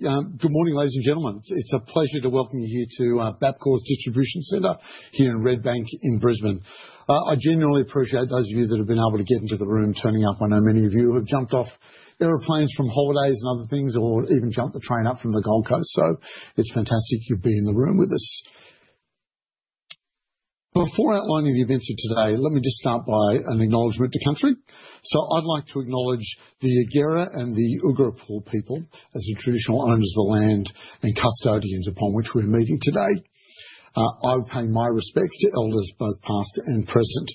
Good morning, ladies and gentlemen. It's a pleasure to welcome you here to Bapcor's distribution center here in Redbank in Brisbane. I genuinely appreciate those of you that have been able to get into the room turning up. I know many of you have jumped off aeroplanes from holidays and other things, or even jumped the train up from the Gold Coast, so it's fantastic you're being in the room with us. Before outlining the events of today, let me just start by an acknowledgement to country. I would like to acknowledge the Yuggera and the Ugarapul people as the traditional owners of the land and custodians upon which we're meeting today. I would pay my respects to elders both past and present.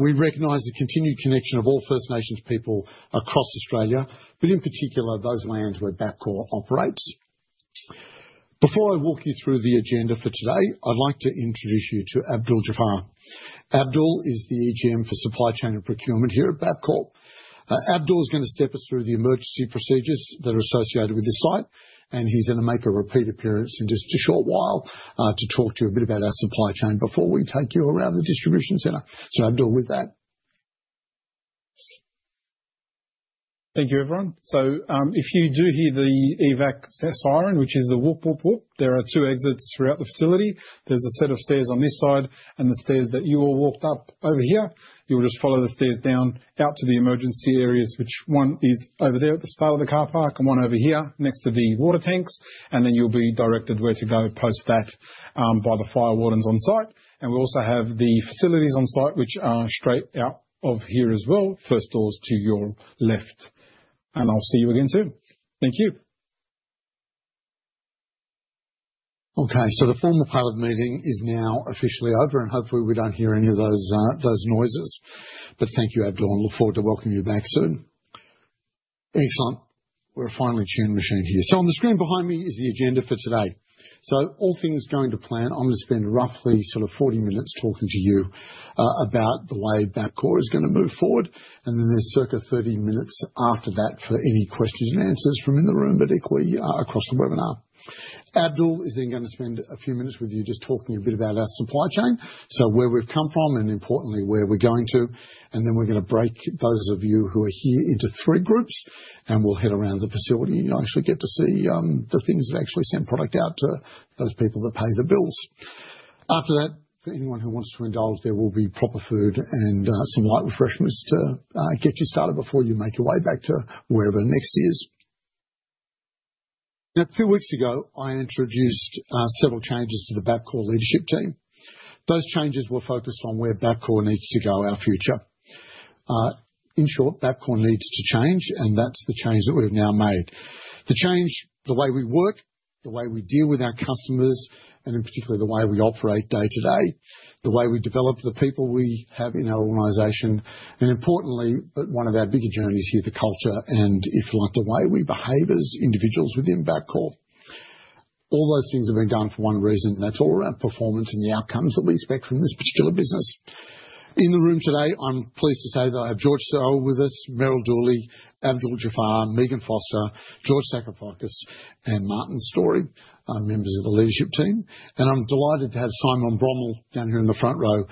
We recognize the continued connection of all First Nations people across Australia, but in particular those lands where Bapcor operates. Before I walk you through the agenda for today, I'd like to introduce you to Abdul Jaafar. Abdul is the GM for Supply Chain and Procurement here at Bapcor. Abdul is going to step us through the emergency procedures that are associated with this site, and he's going to make a repeat appearance in just a short while to talk to you a bit about our supply chain before we take you around the distribution center. Abdul, with that. Thank you, everyone. If you do hear the EVAC siren, which is the whoop, whoop, whoop, there are two exits throughout the facility. There is a set of stairs on this side and the stairs that you all walked up over here. You'll just follow the stairs down out to the emergency areas, which one is over there at the start of the car park and one over here next to the water tanks. You will be directed where to go post that by the fire wardens on site. We also have the facilities on site, which are straight out of here as well. First doors to your left. I'll see you again soon. Thank you. Okay, the formal part of the meeting is now officially over, and hopefully we do not hear any of those noises. Thank you, Abdul. I look forward to welcoming you back soon. Excellent. We are a finely tuned machine here. On the screen behind me is the agenda for today. All things going to plan, I am going to spend roughly 40 minutes talking to you about the way Bapcor is going to move forward. There is circa 30 minutes after that for any questions and answers from in the room, but equally across the webinar. Abdul is then going to spend a few minutes with you just talking a bit about our supply chain, where we have come from and importantly where we are going to. We're going to break those of you who are here into three groups, and we'll head around the facility. You'll actually get to see the things that actually send product out to those people that pay the bills. After that, for anyone who wants to indulge, there will be proper food and some light refreshments to get you started before you make your way back to wherever next is. Now, two weeks ago, I introduced several changes to the Bapcor leadership team. Those changes were focused on where Bapcor needs to go, our future. In short, Bapcor needs to change, and that's the change that we've now made. The change, the way we work, the way we deal with our customers, and in particular the way we operate day to day, the way we develop the people we have in our organisation, and importantly, but one of our bigger journeys here, the culture, and if you like, the way we behave as individuals within Bapcor. All those things have been done for one reason, and that's all around performance and the outcomes that we expect from this particular business. In the room today, I'm pleased to say that I have George Saoud with us, Merryl Dooley, Abdul Jaafar, Megan Foster, George Sakoufakis, and Martin Storey, members of the leadership team. I am delighted to have Simon Bromell down here in the front row,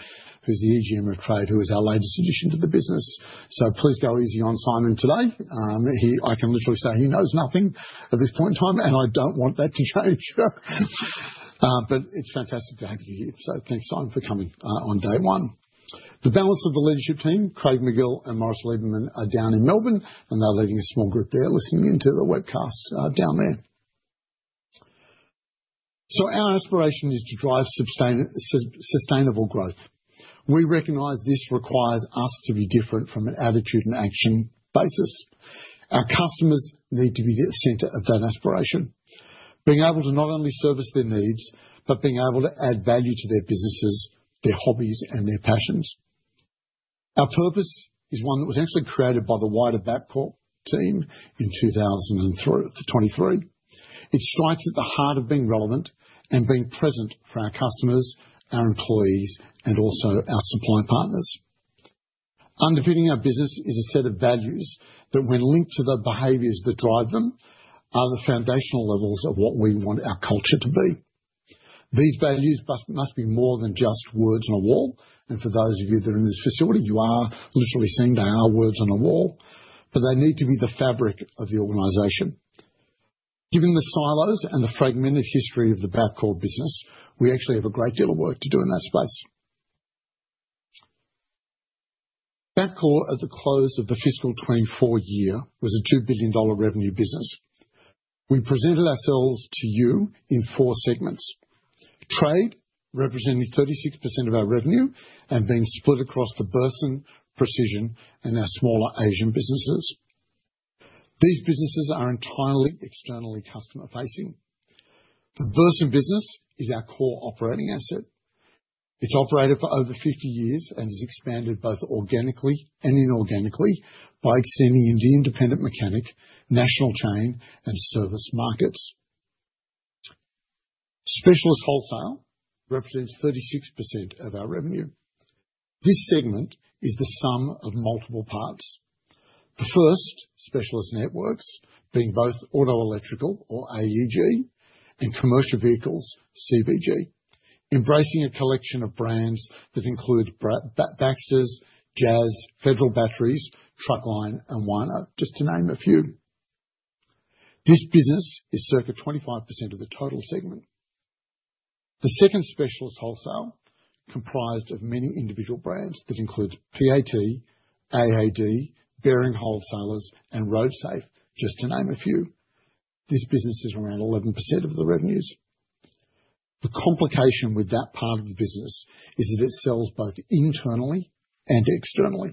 who's the GM of trade, who is our latest addition to the business. Please go easy on Simon today. I can literally say he knows nothing at this point in time, and I do not want that to change. It is fantastic to have you here. Thanks, Simon, for coming on day one. The balance of the leadership team, Craig Magill and Morris Lieberman, are down in Melbourne, and they are leading a small group there listening into the webcast down there. Our aspiration is to drive sustainable growth. We recognize this requires us to be different from an attitude and action basis. Our customers need to be at the center of that aspiration, being able to not only service their needs, but being able to add value to their businesses, their hobbies, and their passions. Our purpose is one that was actually created by the wider Bapcor team in 2023. It strikes at the heart of being relevant and being present for our customers, our employees, and also our supply partners. Underpinning our business is a set of values that, when linked to the behaviors that drive them, are the foundational levels of what we want our culture to be. These values must be more than just words on a wall. For those of you that are in this facility, you are literally saying they are words on a wall, but they need to be the fabric of the organization. Given the silos and the fragmented history of the Bapcor business, we actually have a great deal of work to do in that space. Bapcor, at the close of the fiscal 2024 year, was a 2 billion dollar revenue business. We presented ourselves to you in four segments: trade, representing 36% of our revenue, and being split across the Burson, Precision, and our smaller Asian businesses. These businesses are entirely externally customer-facing. The Burson business is our core operating asset. It's operated for over 50 years and has expanded both organically and inorganically by extending into independent mechanic, national chain, and service markets. Specialist wholesale represents 36% of our revenue. This segment is the sum of multiple parts. The first, specialist networks, being both auto electrical or AEG and commercial vehicles CBG, embracing a collection of brands that include Baxters, JAS, Federal Batteries, Truckline, and WANO, just to name a few. This business is circa 25% of the total segment. The second, specialist wholesale, comprised of many individual brands that include PAT, AAD, Bearing Wholesalers, and Roadsafe, just to name a few. This business is around 11% of the revenues. The complication with that part of the business is that it sells both internally and externally.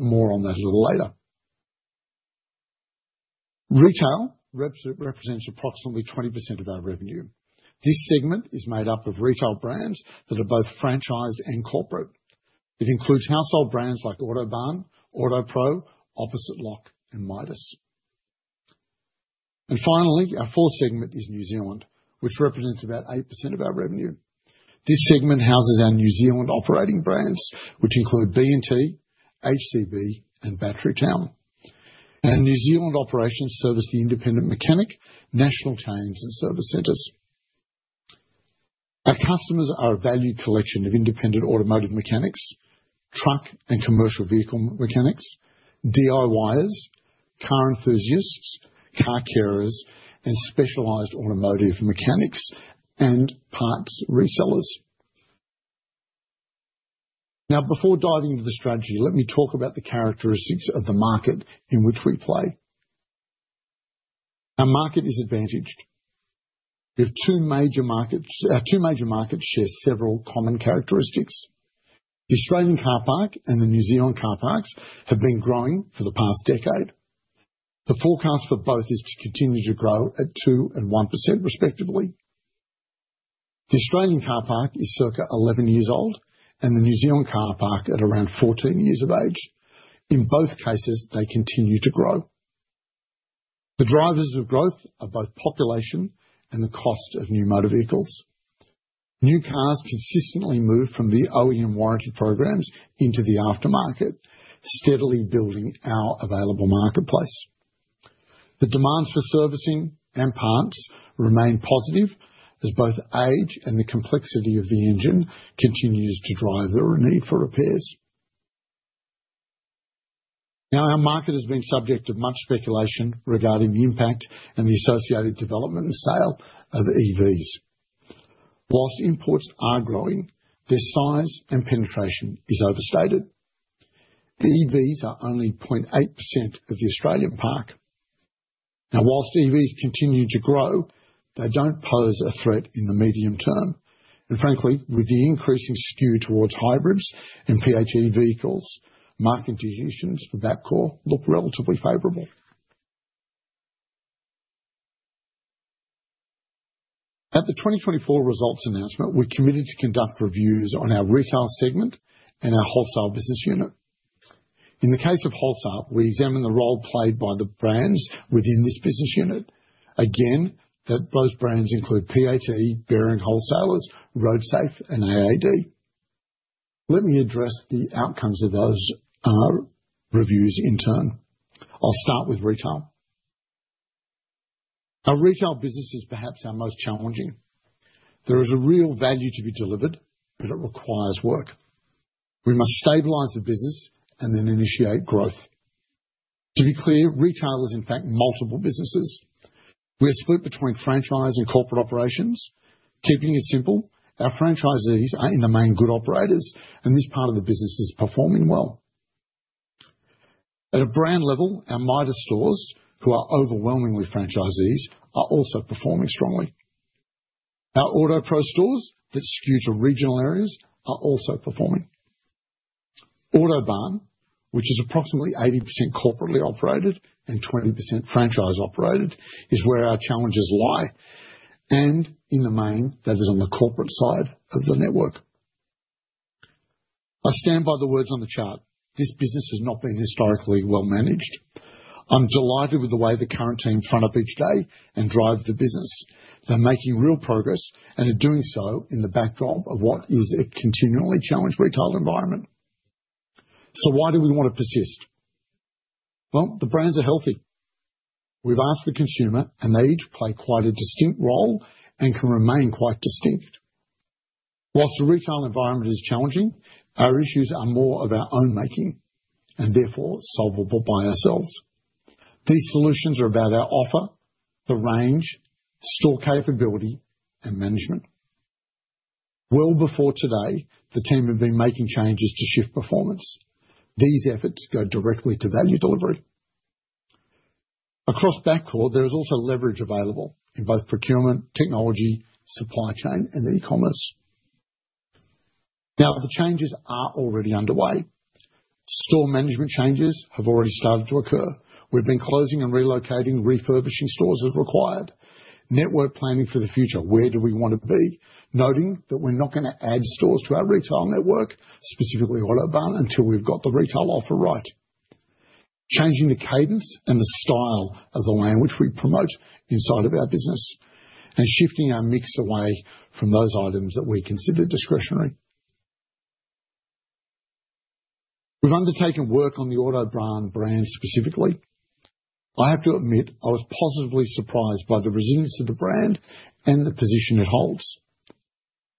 More on that a little later. Retail represents approximately 20% of our revenue. This segment is made up of retail brands that are both franchised and corporate. It includes household brands like Autobarn, Autopro, Opposite Lock, and Midas. Finally, our fourth segment is New Zealand, which represents about 8% of our revenue. This segment houses our New Zealand operating brands, which include BNT, HCB, and Battery Town. Our New Zealand operations service the independent mechanic, national chains, and service centers. Our customers are a valued collection of independent automotive mechanics, truck and commercial vehicle mechanics, DIYers, car enthusiasts, car carers, and specialized automotive mechanics and parts resellers. Now, before diving into the strategy, let me talk about the characteristics of the market in which we play. Our market is advantaged. We have two major markets. Our two major markets share several common characteristics. The Australian car park and the New Zealand car parks have been growing for the past decade. The forecast for both is to continue to grow at 2% and 1% respectively. The Australian car park is circa 11 years old, and the New Zealand car park at around 14 years of age. In both cases, they continue to grow. The drivers of growth are both population and the cost of new motor vehicles. New cars consistently move from the OEM warranty programs into the aftermarket, steadily building our available marketplace. The demands for servicing and parts remain positive as both age and the complexity of the engine continues to drive the need for repairs. Now, our market has been subject to much speculation regarding the impact and the associated development and sale of EVs. Whilst imports are growing, their size and penetration is overstated. The EVs are only 0.8% of the Australian park. Now, whilst EVs continue to grow, they do not pose a threat in the medium term. Frankly, with the increasing skew towards hybrids and PHE vehicles, market conditions for Bapcor look relatively favorable. At the 2024 results announcement, we committed to conduct reviews on our retail segment and our wholesale business unit. In the case of wholesale, we examined the role played by the brands within this business unit. Again, those brands include PAT, Bearing Wholesalers, Roadsafe, and AAD. Let me address the outcomes of those reviews in turn. I will start with retail. Our retail business is perhaps our most challenging. There is a real value to be delivered, but it requires work. We must stabilize the business and then initiate growth. To be clear, retail is in fact multiple businesses. We are split between franchise and corporate operations. Keeping it simple, our franchisees are in the main good operators, and this part of the business is performing well. At a brand level, our Midas stores, who are overwhelmingly franchisees, are also performing strongly. Our Autopro stores, that skew to regional areas, are also performing. Autobarn, which is approximately 80% corporately operated and 20% franchise operated, is where our challenges lie. In the main, that is on the corporate side of the network. I stand by the words on the chart. This business has not been historically well managed. I'm delighted with the way the current team front up each day and drive the business. They're making real progress and are doing so in the backdrop of what is a continually challenged retail environment. Why do we want to persist? The brands are healthy. We've asked the consumer, and they each play quite a distinct role and can remain quite distinct. Whilst the retail environment is challenging, our issues are more of our own making and therefore solvable by ourselves. These solutions are about our offer, the range, store capability, and management. Before today, the team had been making changes to shift performance. These efforts go directly to value delivery. Across Bapcor, there is also leverage available in both procurement, technology, supply chain, and e-commerce. Now, the changes are already underway. Store management changes have already started to occur. We've been closing and relocating refurbishing stores as required. Network planning for the future. Where do we want to be? Noting that we're not going to add stores to our retail network, specifically Autobarn, until we've got the retail offer right. Changing the cadence and the style of the language we promote inside of our business and shifting our mix away from those items that we consider discretionary. We've undertaken work on the Autobarn brand specifically. I have to admit I was positively surprised by the resilience of the brand and the position it holds.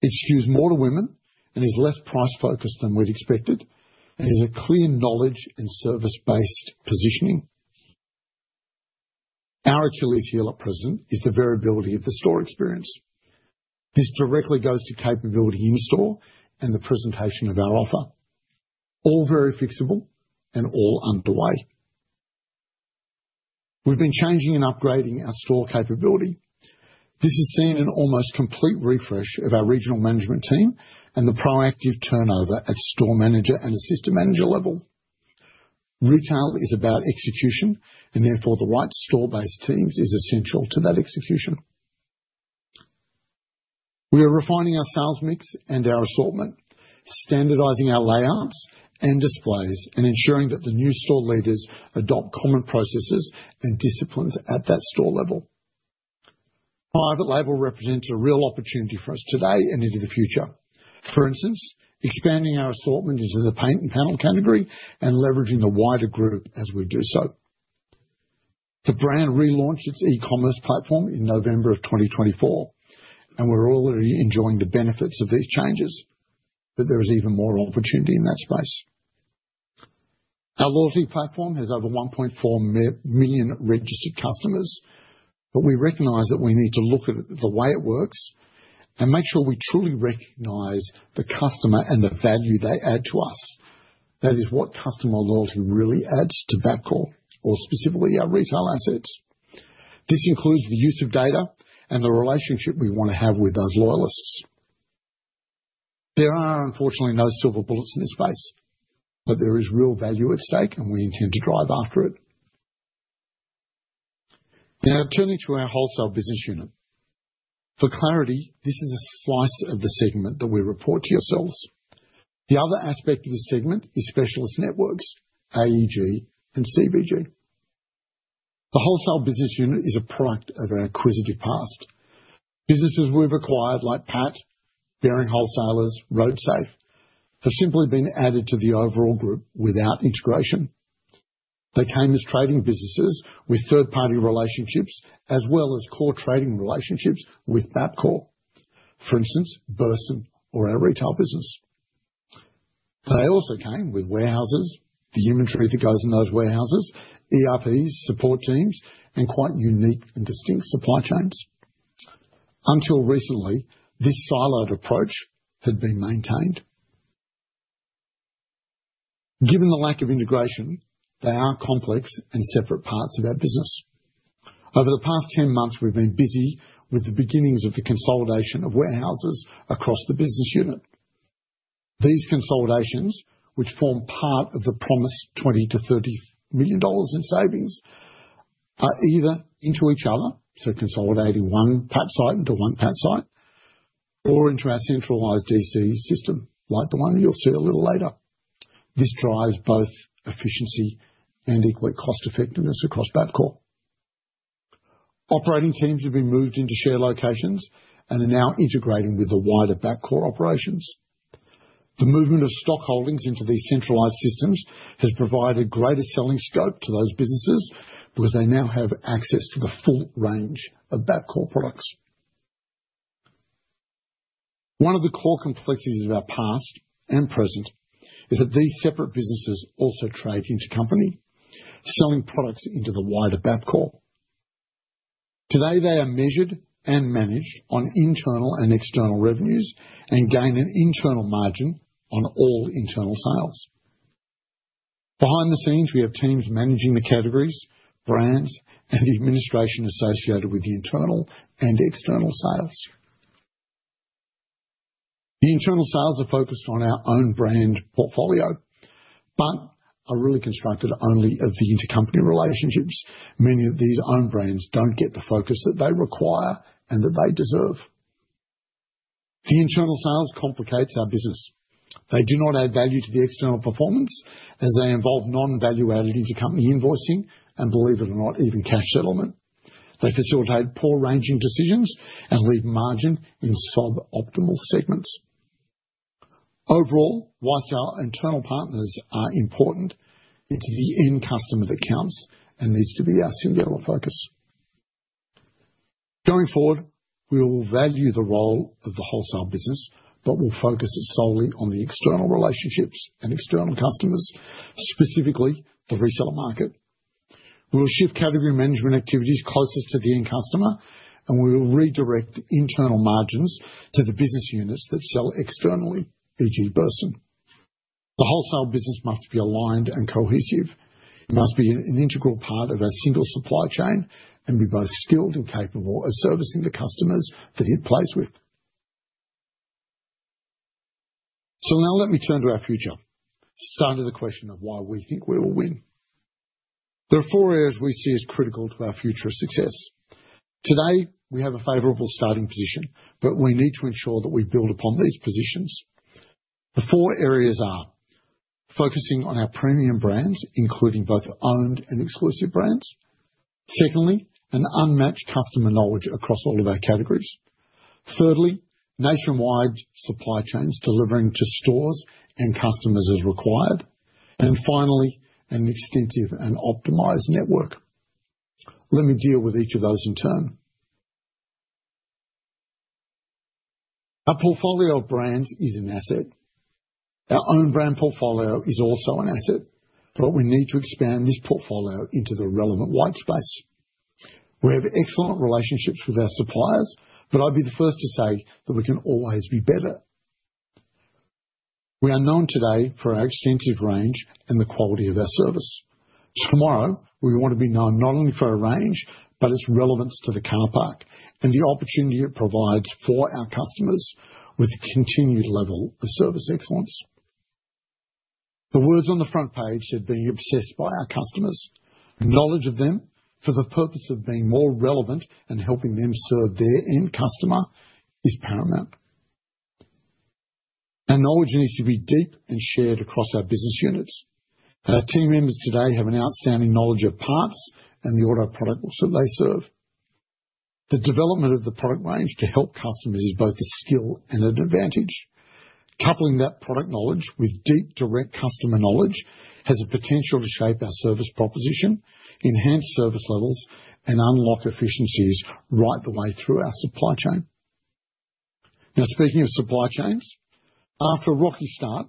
It skews more to women and is less price-focused than we'd expected, and has a clear knowledge and service-based positioning. Our Achilles heel at present is the variability of the store experience. This directly goes to capability in store and the presentation of our offer. All very fixable and all underway. We've been changing and upgrading our store capability. This has seen an almost complete refresh of our regional management team and the proactive turnover at store manager and assistant manager level. Retail is about execution, and therefore the right store-based teams is essential to that execution. We are refining our sales mix and our assortment, standardizing our layouts and displays, and ensuring that the new store leaders adopt common processes and disciplines at that store level. Private label represents a real opportunity for us today and into the future. For instance, expanding our assortment into the paint and panel category and leveraging the wider group as we do so. The brand relaunched its e-commerce platform in November of 2024, and we're already enjoying the benefits of these changes, but there is even more opportunity in that space. Our loyalty platform has over 1.4 million registered customers, but we recognize that we need to look at the way it works and make sure we truly recognize the customer and the value they add to us. That is what customer loyalty really adds to Bapcor, or specifically our retail assets. This includes the use of data and the relationship we want to have with those loyalists. There are unfortunately no silver bullets in this space, but there is real value at stake, and we intend to drive after it. Now, turning to our wholesale business unit. For clarity, this is a slice of the segment that we report to yourselves. The other aspect of the segment is specialist networks, AEG and CBG. The wholesale business unit is a product of our acquisitive past. Businesses we have acquired, like PAT, Bearing Wholesalers, Roadsafe, have simply been added to the overall group without integration. They came as trading businesses with third-party relationships as well as core trading relationships with Bapcor. For instance, Burson or our retail business. They also came with warehouses, the inventory that goes in those warehouses, ERPs, support teams, and quite unique and distinct supply chains. Until recently, this siloed approach had been maintained. Given the lack of integration, they are complex and separate parts of our business. Over the past 10 months, we've been busy with the beginnings of the consolidation of warehouses across the business unit. These consolidations, which form part of the promised 20 million-30 million dollars in savings, are either into each other, so consolidating one PAT site into one PAT site, or into our centralised DC system, like the one that you'll see a little later. This drives both efficiency and equally cost-effectiveness across Bapcor. Operating teams have been moved into shared locations and are now integrating with the wider Bapcor operations. The movement of stock holdings into these centralised systems has provided greater selling scope to those businesses because they now have access to the full range of Bapcor products. One of the core complexities of our past and present is that these separate businesses also trade inter-company, selling products into the wider Bapcor. Today, they are measured and managed on internal and external revenues and gain an internal margin on all internal sales. Behind the scenes, we have teams managing the categories, brands, and the administration associated with the internal and external sales. The internal sales are focused on our own brand portfolio, but are really constructed only of the inter-company relationships. Many of these own brands do not get the focus that they require and that they deserve. The internal sales complicates our business. They do not add value to the external performance as they involve non-value-added inter-company invoicing and, believe it or not, even cash settlement. They facilitate poor ranging decisions and leave margin in suboptimal segments. Overall, whilst our internal partners are important, it's the end customer that counts and needs to be our singular focus. Going forward, we will value the role of the wholesale business, but we'll focus solely on the external relationships and external customers, specifically the reseller market. We will shift category management activities closest to the end customer, and we will redirect internal margins to the business units that sell externally, e.g., Burson. The wholesale business must be aligned and cohesive. It must be an integral part of our single supply chain and be both skilled and capable of servicing the customers that it plays with. Let me turn to our future, starting with the question of why we think we will win. There are four areas we see as critical to our future success. Today, we have a favorable starting position, but we need to ensure that we build upon these positions. The four areas are focusing on our premium brands, including both owned and exclusive brands. Secondly, an unmatched customer knowledge across all of our categories. Thirdly, nationwide supply chains delivering to stores and customers as required. Finally, an extensive and optimized network. Let me deal with each of those in turn. Our portfolio of brands is an asset. Our own brand portfolio is also an asset, but we need to expand this portfolio into the relevant white space. We have excellent relationships with our suppliers, but I'd be the first to say that we can always be better. We are known today for our extensive range and the quality of our service. Tomorrow, we want to be known not only for our range, but its relevance to the car park and the opportunity it provides for our customers with a continued level of service excellence. The words on the front page have been obsessed by our customers. Knowledge of them, for the purpose of being more relevant and helping them serve their end customer, is paramount. Our knowledge needs to be deep and shared across our business units. Our team members today have an outstanding knowledge of parts and the auto product that they serve. The development of the product range to help customers is both a skill and an advantage. Coupling that product knowledge with deep direct customer knowledge has the potential to shape our service proposition, enhance service levels, and unlock efficiencies right the way through our supply chain. Now, speaking of supply chains, after a rocky start,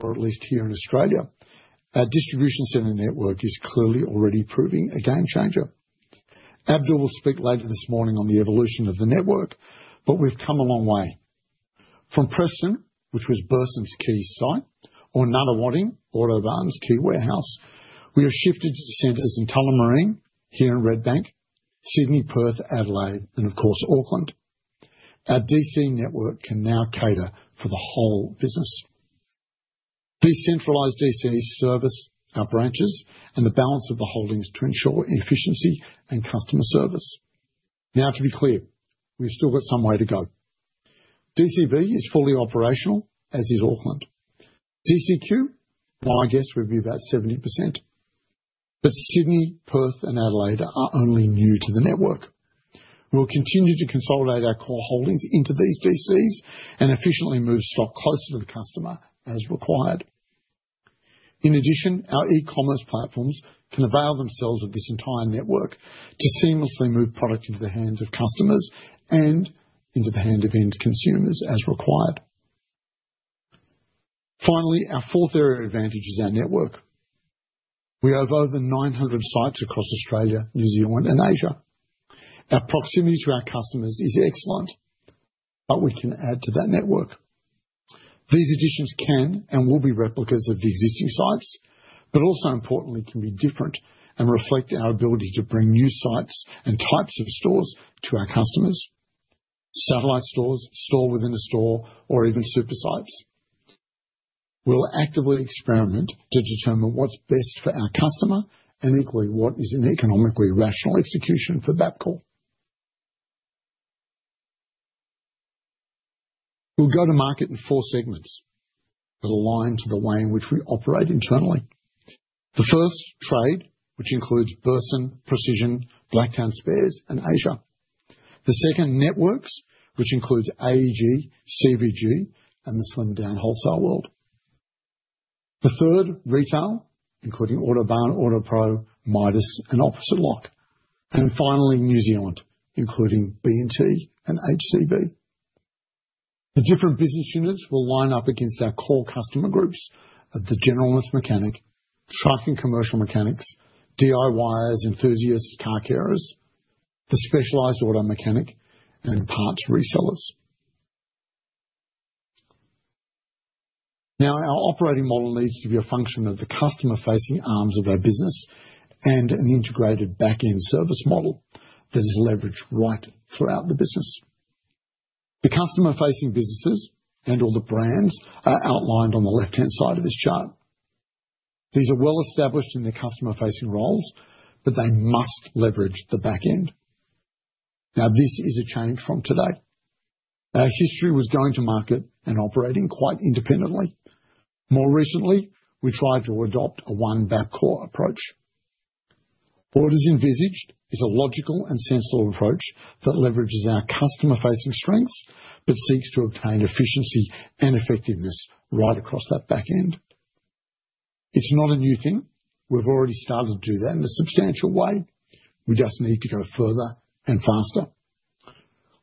or at least here in Australia, our distribution center network is clearly already proving a game changer. Abdul will speak later this morning on the evolution of the network, but we've come a long way. From Preston, which was Burson's key site, or Nunawading, Autobarn's key warehouse, we have shifted to centers in Tullamarine, here in Redbank, Sydney, Perth, Adelaide, and of course, Auckland. Our DC network can now cater for the whole business. Decentralized DC services our branches and the balance of the holdings to ensure efficiency and customer service. Now, to be clear, we've still got some way to go. DCV is fully operational, as is Auckland. DCQ, I guess we'd be about 70%. Sydney, Perth, and Adelaide are only new to the network. We will continue to consolidate our core holdings into these DCs and efficiently move stock closer to the customer as required. In addition, our e-commerce platforms can avail themselves of this entire network to seamlessly move product into the hands of customers and into the hand of end consumers as required. Finally, our fourth area of advantage is our network. We have over 900 sites across Australia, New Zealand, and Asia. Our proximity to our customers is excellent, but we can add to that network. These additions can and will be replicas of the existing sites, but also, importantly, can be different and reflect our ability to bring new sites and types of stores to our customers: satellite stores, store within a store, or even super sites. We'll actively experiment to determine what's best for our customer and equally what is an economically rational execution for Bapcor. We'll go to market in four segments that align to the way in which we operate internally. The first, trade, which includes Burson, Precision, Blacktown Spares, and Asia. The second, networks, which includes AEG, CBG, and the slimmed-down wholesale world. The third, retail, including Autobarn, Autopro, Midas, and Opposite Lock. Finally, New Zealand, including BNT and HCB. The different business units will line up against our core customer groups: the generalist mechanic, truck and commercial mechanics, DIYers, enthusiasts, car carers, the specialised auto mechanic, and parts resellers. Now, our operating model needs to be a function of the customer-facing arms of our business and an integrated back-end service model that is leveraged right throughout the business. The customer-facing businesses and all the brands are outlined on the left-hand side of this chart. These are well established in their customer-facing roles, but they must leverage the back-end. Now, this is a change from today. Our history was going to market and operating quite independently. More recently, we tried to adopt a one Bapcor approach. What is envisaged is a logical and sensible approach that leverages our customer-facing strengths but seeks to obtain efficiency and effectiveness right across that back-end. It's not a new thing. We've already started to do that in a substantial way. We just need to go further and faster.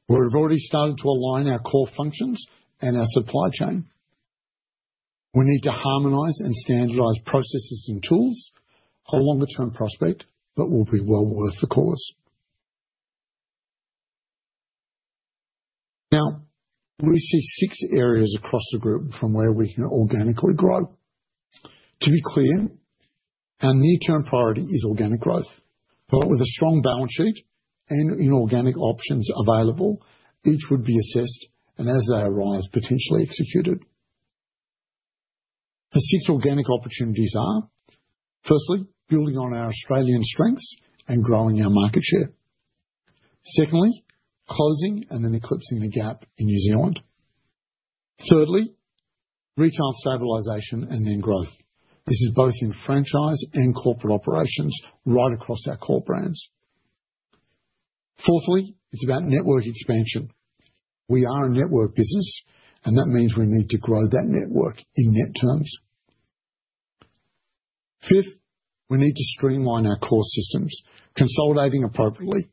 We've already started to align our core functions and our supply chain. We need to harmonize and standardize processes and tools. A longer-term prospect, but will be well worth the cause. Now, we see six areas across the group from where we can organically grow. To be clear, our near-term priority is organic growth. With a strong balance sheet and inorganic options available, each would be assessed and, as they arise, potentially executed. The six organic opportunities are: firstly, building on our Australian strengths and growing our market share. Secondly, closing and then eclipsing the gap in New Zealand. Thirdly, retail stabilisation and then growth. This is both in franchise and corporate operations right across our core brands. Fourthly, it's about network expansion. We are a network business, and that means we need to grow that network in net terms. Fifth, we need to streamline our core systems, consolidating appropriately.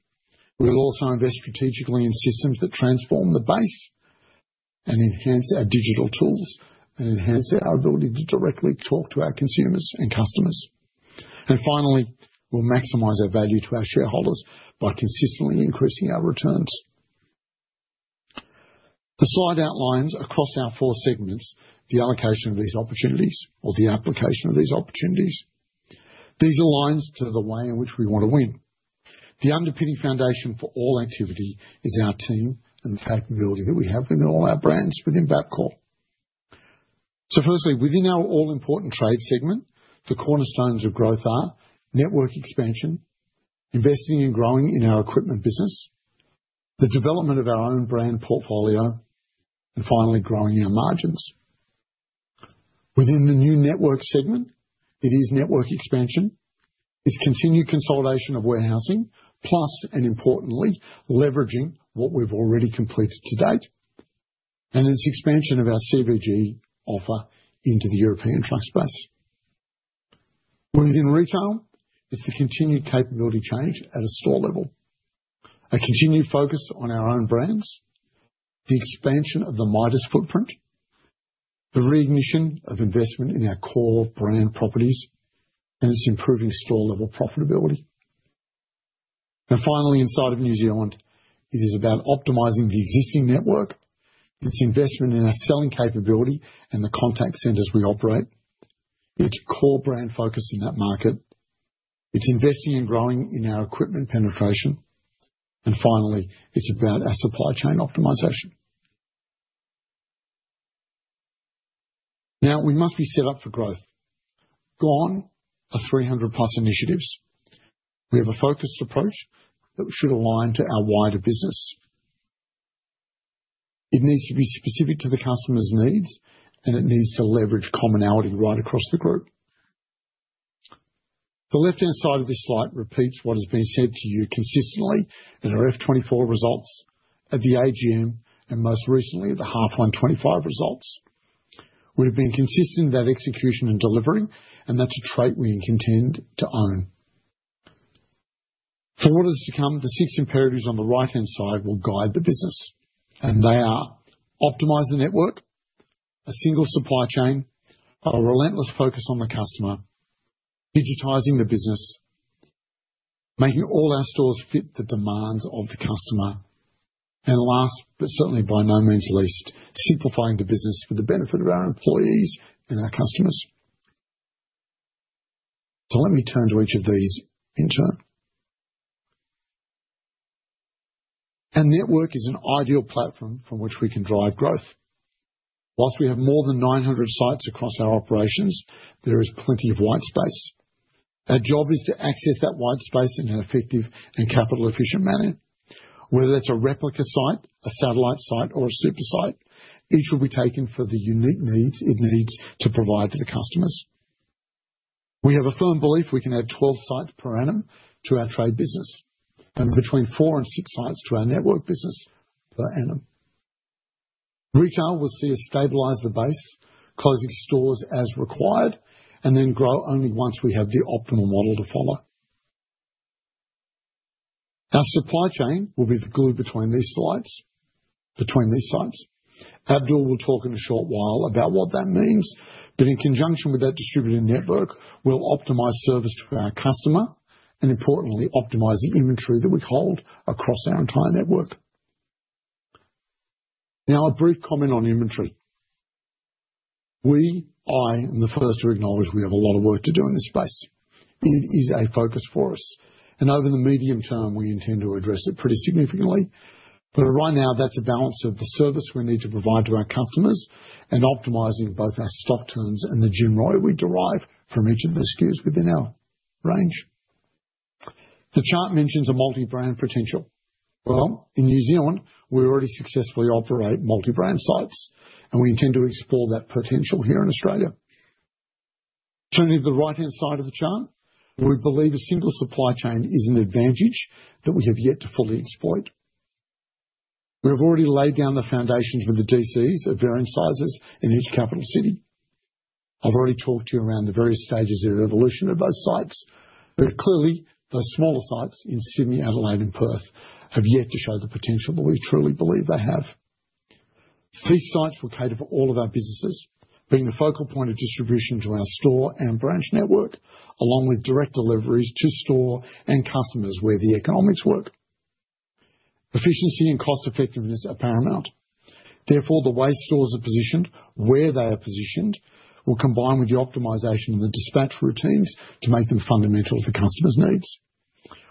We'll also invest strategically in systems that transform the base and enhance our digital tools and enhance our ability to directly talk to our consumers and customers. Finally, we'll maximise our value to our shareholders by consistently increasing our returns. The slide outlines across our four segments the allocation of these opportunities or the application of these opportunities. These align to the way in which we want to win. The underpinning foundation for all activity is our team and the capability that we have within all our brands within Bapcor. Firstly, within our all-important trade segment, the cornerstones of growth are network expansion, investing and growing in our equipment business, the development of our own brand portfolio, and finally, growing our margins. Within the new network segment, it is network expansion. It is continued consolidation of warehousing, plus, and importantly, leveraging what we have already completed to date, and it is expansion of our CBG offer into the European truck space. Within retail, it's the continued capability change at a store level, a continued focus on our own brands, the expansion of the Midas footprint, the reignition of investment in our core brand properties, and it's improving store-level profitability. Finally, inside of New Zealand, it is about optimising the existing network, its investment in our selling capability and the contact centers we operate, its core brand focus in that market, its investing and growing in our equipment penetration, and finally, it's about our supply chain optimisation. Now, we must be set up for growth. Gone are 300-plus initiatives. We have a focused approach that should align to our wider business. It needs to be specific to the customer's needs, and it needs to leverage commonality right across the group. The left-hand side of this slide repeats what has been said to you consistently in our FY2024 results, at the AGM, and most recently, at the half 125 results. We've been consistent in that execution and delivery, and that's a trait we can tend to own. For what is to come, the six imperatives on the right-hand side will guide the business, and they are: optimise the network, a single supply chain, a relentless focus on the customer, digitising the business, making all our stores fit the demands of the customer, and last, but certainly by no means least, simplifying the business for the benefit of our employees and our customers. Let me turn to each of these in turn. Our network is an ideal platform from which we can drive growth. Whilst we have more than 900 sites across our operations, there is plenty of white space. Our job is to access that white space in an effective and capital-efficient manner. Whether that's a replica site, a satellite site, or a super site, each will be taken for the unique needs it needs to provide to the customers. We have a firm belief we can add 12 sites per annum to our trade business and between four and six sites to our network business per annum. Retail will see us stabilise the base, closing stores as required, and then grow only once we have the optimal model to follow. Our supply chain will be the glue between these sites. Abdul will talk in a short while about what that means, but in conjunction with that distributed network, we'll optimise service to our customer and, importantly, optimise the inventory that we hold across our entire network. Now, a brief comment on inventory. We, I, am the first to acknowledge we have a lot of work to do in this space. It is a focus for us, and over the medium term, we intend to address it pretty significantly. Right now, that's a balance of the service we need to provide to our customers and optimizing both our stock turns and the GMROI we derive from each of the SKUs within our range. The chart mentions a multi-brand potential. In New Zealand, we already successfully operate multi-brand sites, and we intend to explore that potential here in Australia. Turning to the right-hand side of the chart, we believe a single supply chain is an advantage that we have yet to fully exploit. We have already laid down the foundations with the DCs of varying sizes in each capital city. I've already talked to you around the various stages of evolution of those sites, but clearly, those smaller sites in Sydney, Adelaide, and Perth have yet to show the potential that we truly believe they have. These sites will cater for all of our businesses, being the focal point of distribution to our store and branch network, along with direct deliveries to store and customers where the economics work. Efficiency and cost-effectiveness are paramount. Therefore, the way stores are positioned, where they are positioned, will combine with the optimization and the dispatch routines to make them fundamental to customers' needs.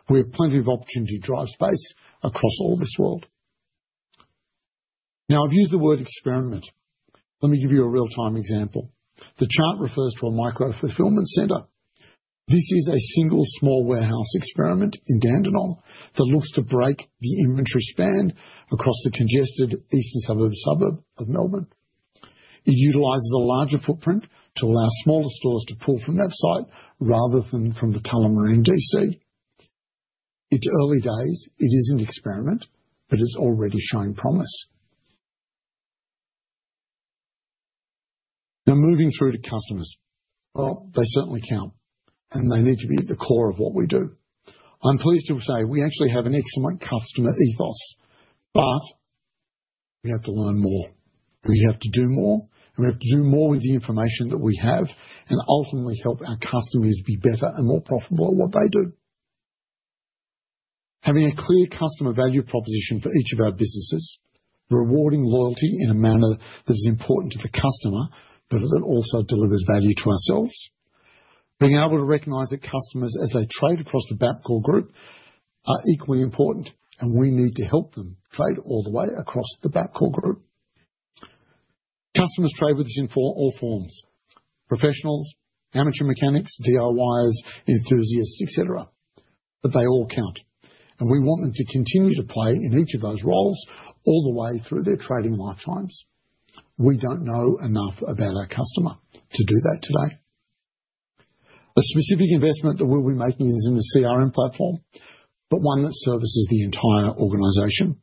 We have plenty of opportunity drive space across all this world. Now, I've used the word experiment. Let me give you a real-time example. The chart refers to a micro-fulfillment center. This is a single small warehouse experiment in Dandenong that looks to break the inventory span across the congested eastern suburb of Melbourne. It utilizes a larger footprint to allow smaller stores to pull from that site rather than from the Tullamarine D.C. It's early days. It is an experiment, but it's already showing promise. Now, moving through to customers. They certainly count, and they need to be at the core of what we do. I'm pleased to say we actually have an excellent customer ethos, but we have to learn more. We have to do more, and we have to do more with the information that we have and ultimately help our customers be better and more profitable at what they do. Having a clear customer value proposition for each of our businesses, rewarding loyalty in a manner that is important to the customer but that also delivers value to ourselves. Being able to recognize that customers, as they trade across the Bapcor Group, are equally important, and we need to help them trade all the way across the Bapcor Group. Customers trade with us in all forms: professionals, amateur mechanics, DIYers, enthusiasts, etc. They all count, and we want them to continue to play in each of those roles all the way through their trading lifetimes. We don't know enough about our customer to do that today. A specific investment that we'll be making is in a CRM platform, but one that services the entire organization.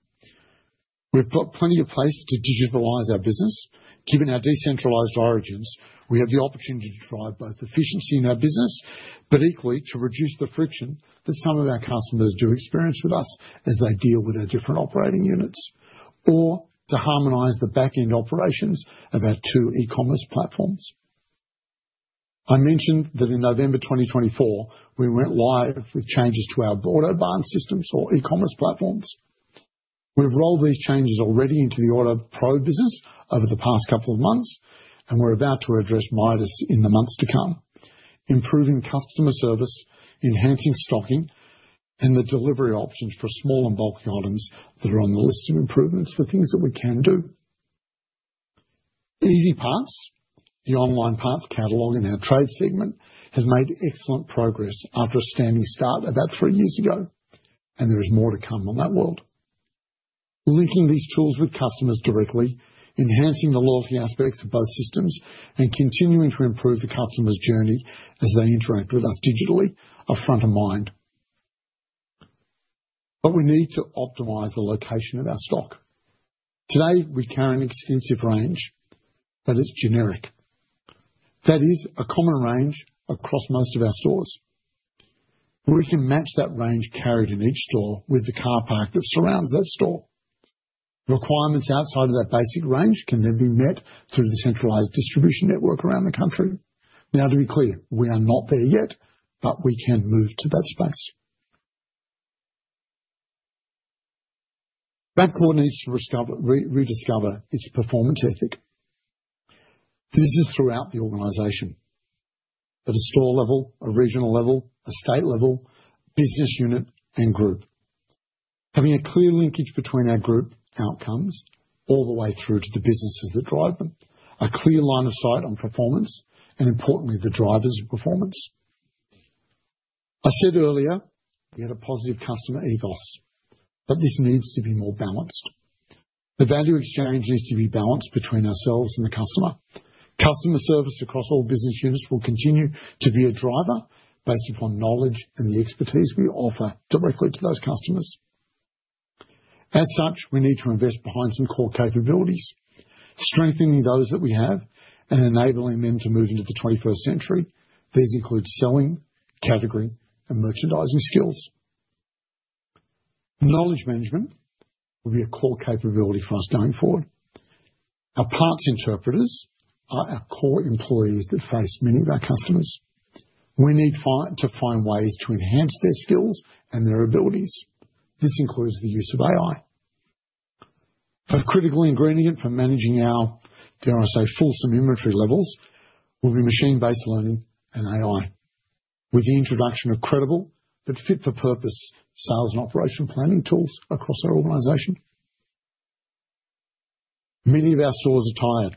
We've got plenty of place to digitalize our business. Given our decentralized origins, we have the opportunity to drive both efficiency in our business but equally to reduce the friction that some of our customers do experience with us as they deal with our different operating units or to harmonize the back-end operations of our two e-commerce platforms. I mentioned that in November 2024, we went live with changes to our broader buying systems or e-commerce platforms. We've rolled these changes already into the Autopro business over the past couple of months, and we're about to address Midas in the months to come, improving customer service, enhancing stocking, and the delivery options for small and bulky items that are on the list of improvements for things that we can do. EasyParts, the online parts catalogue in our trade segment, has made excellent progress after a standing start about three years ago, and there is more to come on that world. Linking these tools with customers directly, enhancing the loyalty aspects of both systems, and continuing to improve the customer's journey as they interact with us digitally are front of mind. We need to optimize the location of our stock. Today, we carry an extensive range, but it's generic. That is a common range across most of our stores. We can match that range carried in each store with the car park that surrounds that store. Requirements outside of that basic range can then be met through the centralized distribution network around the country. Now, to be clear, we are not there yet, but we can move to that space. Bapcor needs to rediscover its performance ethic. This is throughout the organization: at a store level, a regional level, a state level, business unit, and group. Having a clear linkage between our group outcomes all the way through to the businesses that drive them, a clear line of sight on performance, and importantly, the drivers of performance. I said earlier we had a positive customer ethos, but this needs to be more balanced. The value exchange needs to be balanced between ourselves and the customer. Customer service across all business units will continue to be a driver based upon knowledge and the expertise we offer directly to those customers. As such, we need to invest behind some core capabilities, strengthening those that we have and enabling them to move into the 21st century. These include selling, category, and merchandising skills. Knowledge management will be a core capability for us going forward. Our parts interpreters are our core employees that face many of our customers. We need to find ways to enhance their skills and their abilities. This includes the use of AI. A critical ingredient for managing our, dare I say, fulsome inventory levels will be machine-based learning and AI, with the introduction of credible but fit-for-purpose sales and operation planning tools across our organisation. Many of our stores are tired.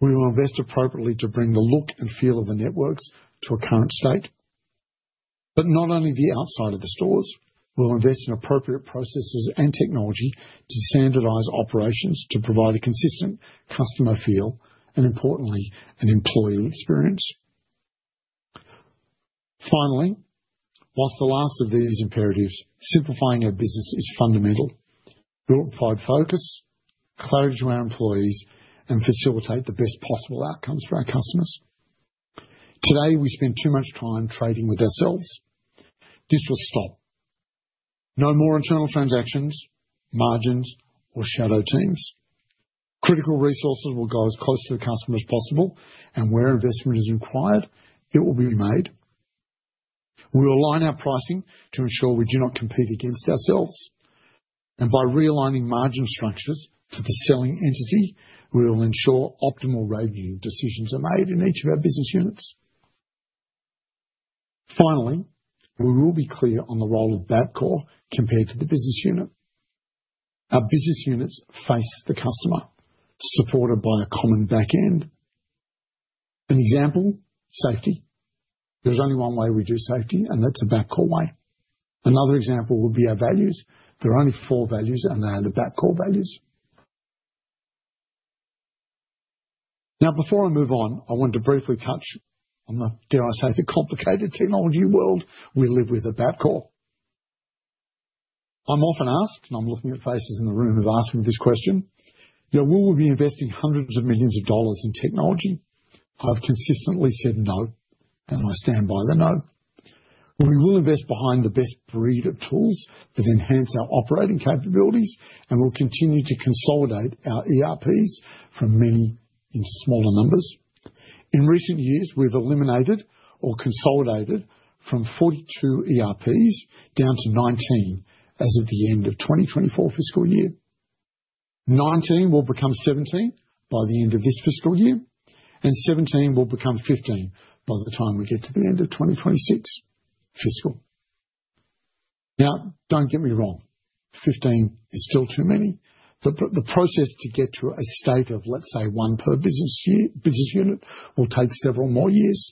We will invest appropriately to bring the look and feel of the networks to a current state. Not only the outside of the stores, we'll invest in appropriate processes and technology to standardize operations to provide a consistent customer feel and, importantly, an employee experience. Finally, whilst the last of these imperatives, simplifying our business is fundamental, we'll apply focus, courage to our employees, and facilitate the best possible outcomes for our customers. Today, we spend too much time trading with ourselves. This will stop. No more internal transactions, margins, or shadow teams. Critical resources will go as close to the customer as possible, and where investment is required, it will be made. We will align our pricing to ensure we do not compete against ourselves. By realigning margin structures to the selling entity, we will ensure optimal revenue decisions are made in each of our business units. Finally, we will be clear on the role of Bapcor compared to the business unit. Our business units face the customer, supported by a common back end. An example: safety. There is only one way we do safety, and that is a Bapcor way. Another example would be our values. There are only four values, and they are the Bapcor values. Now, before I move on, I want to briefly touch on the, dare I say, the complicated technology world we live with at Bapcor. I'm often asked, and I'm looking at faces in the room of asking this question, will we be investing hundreds of millions of dollars in technology? I've consistently said no, and I stand by the no. We will invest behind the best breed of tools that enhance our operating capabilities, and we'll continue to consolidate our ERPs from many into smaller numbers. In recent years, we've eliminated or consolidated from 42 ERPs down to 19 as of the end of 2024 fiscal year. 19 will become 17 by the end of this fiscal year, and 17 will become 15 by the time we get to the end of 2026 fiscal. Now, don't get me wrong, 15 is still too many. The process to get to a state of, let's say, one per business unit will take several more years.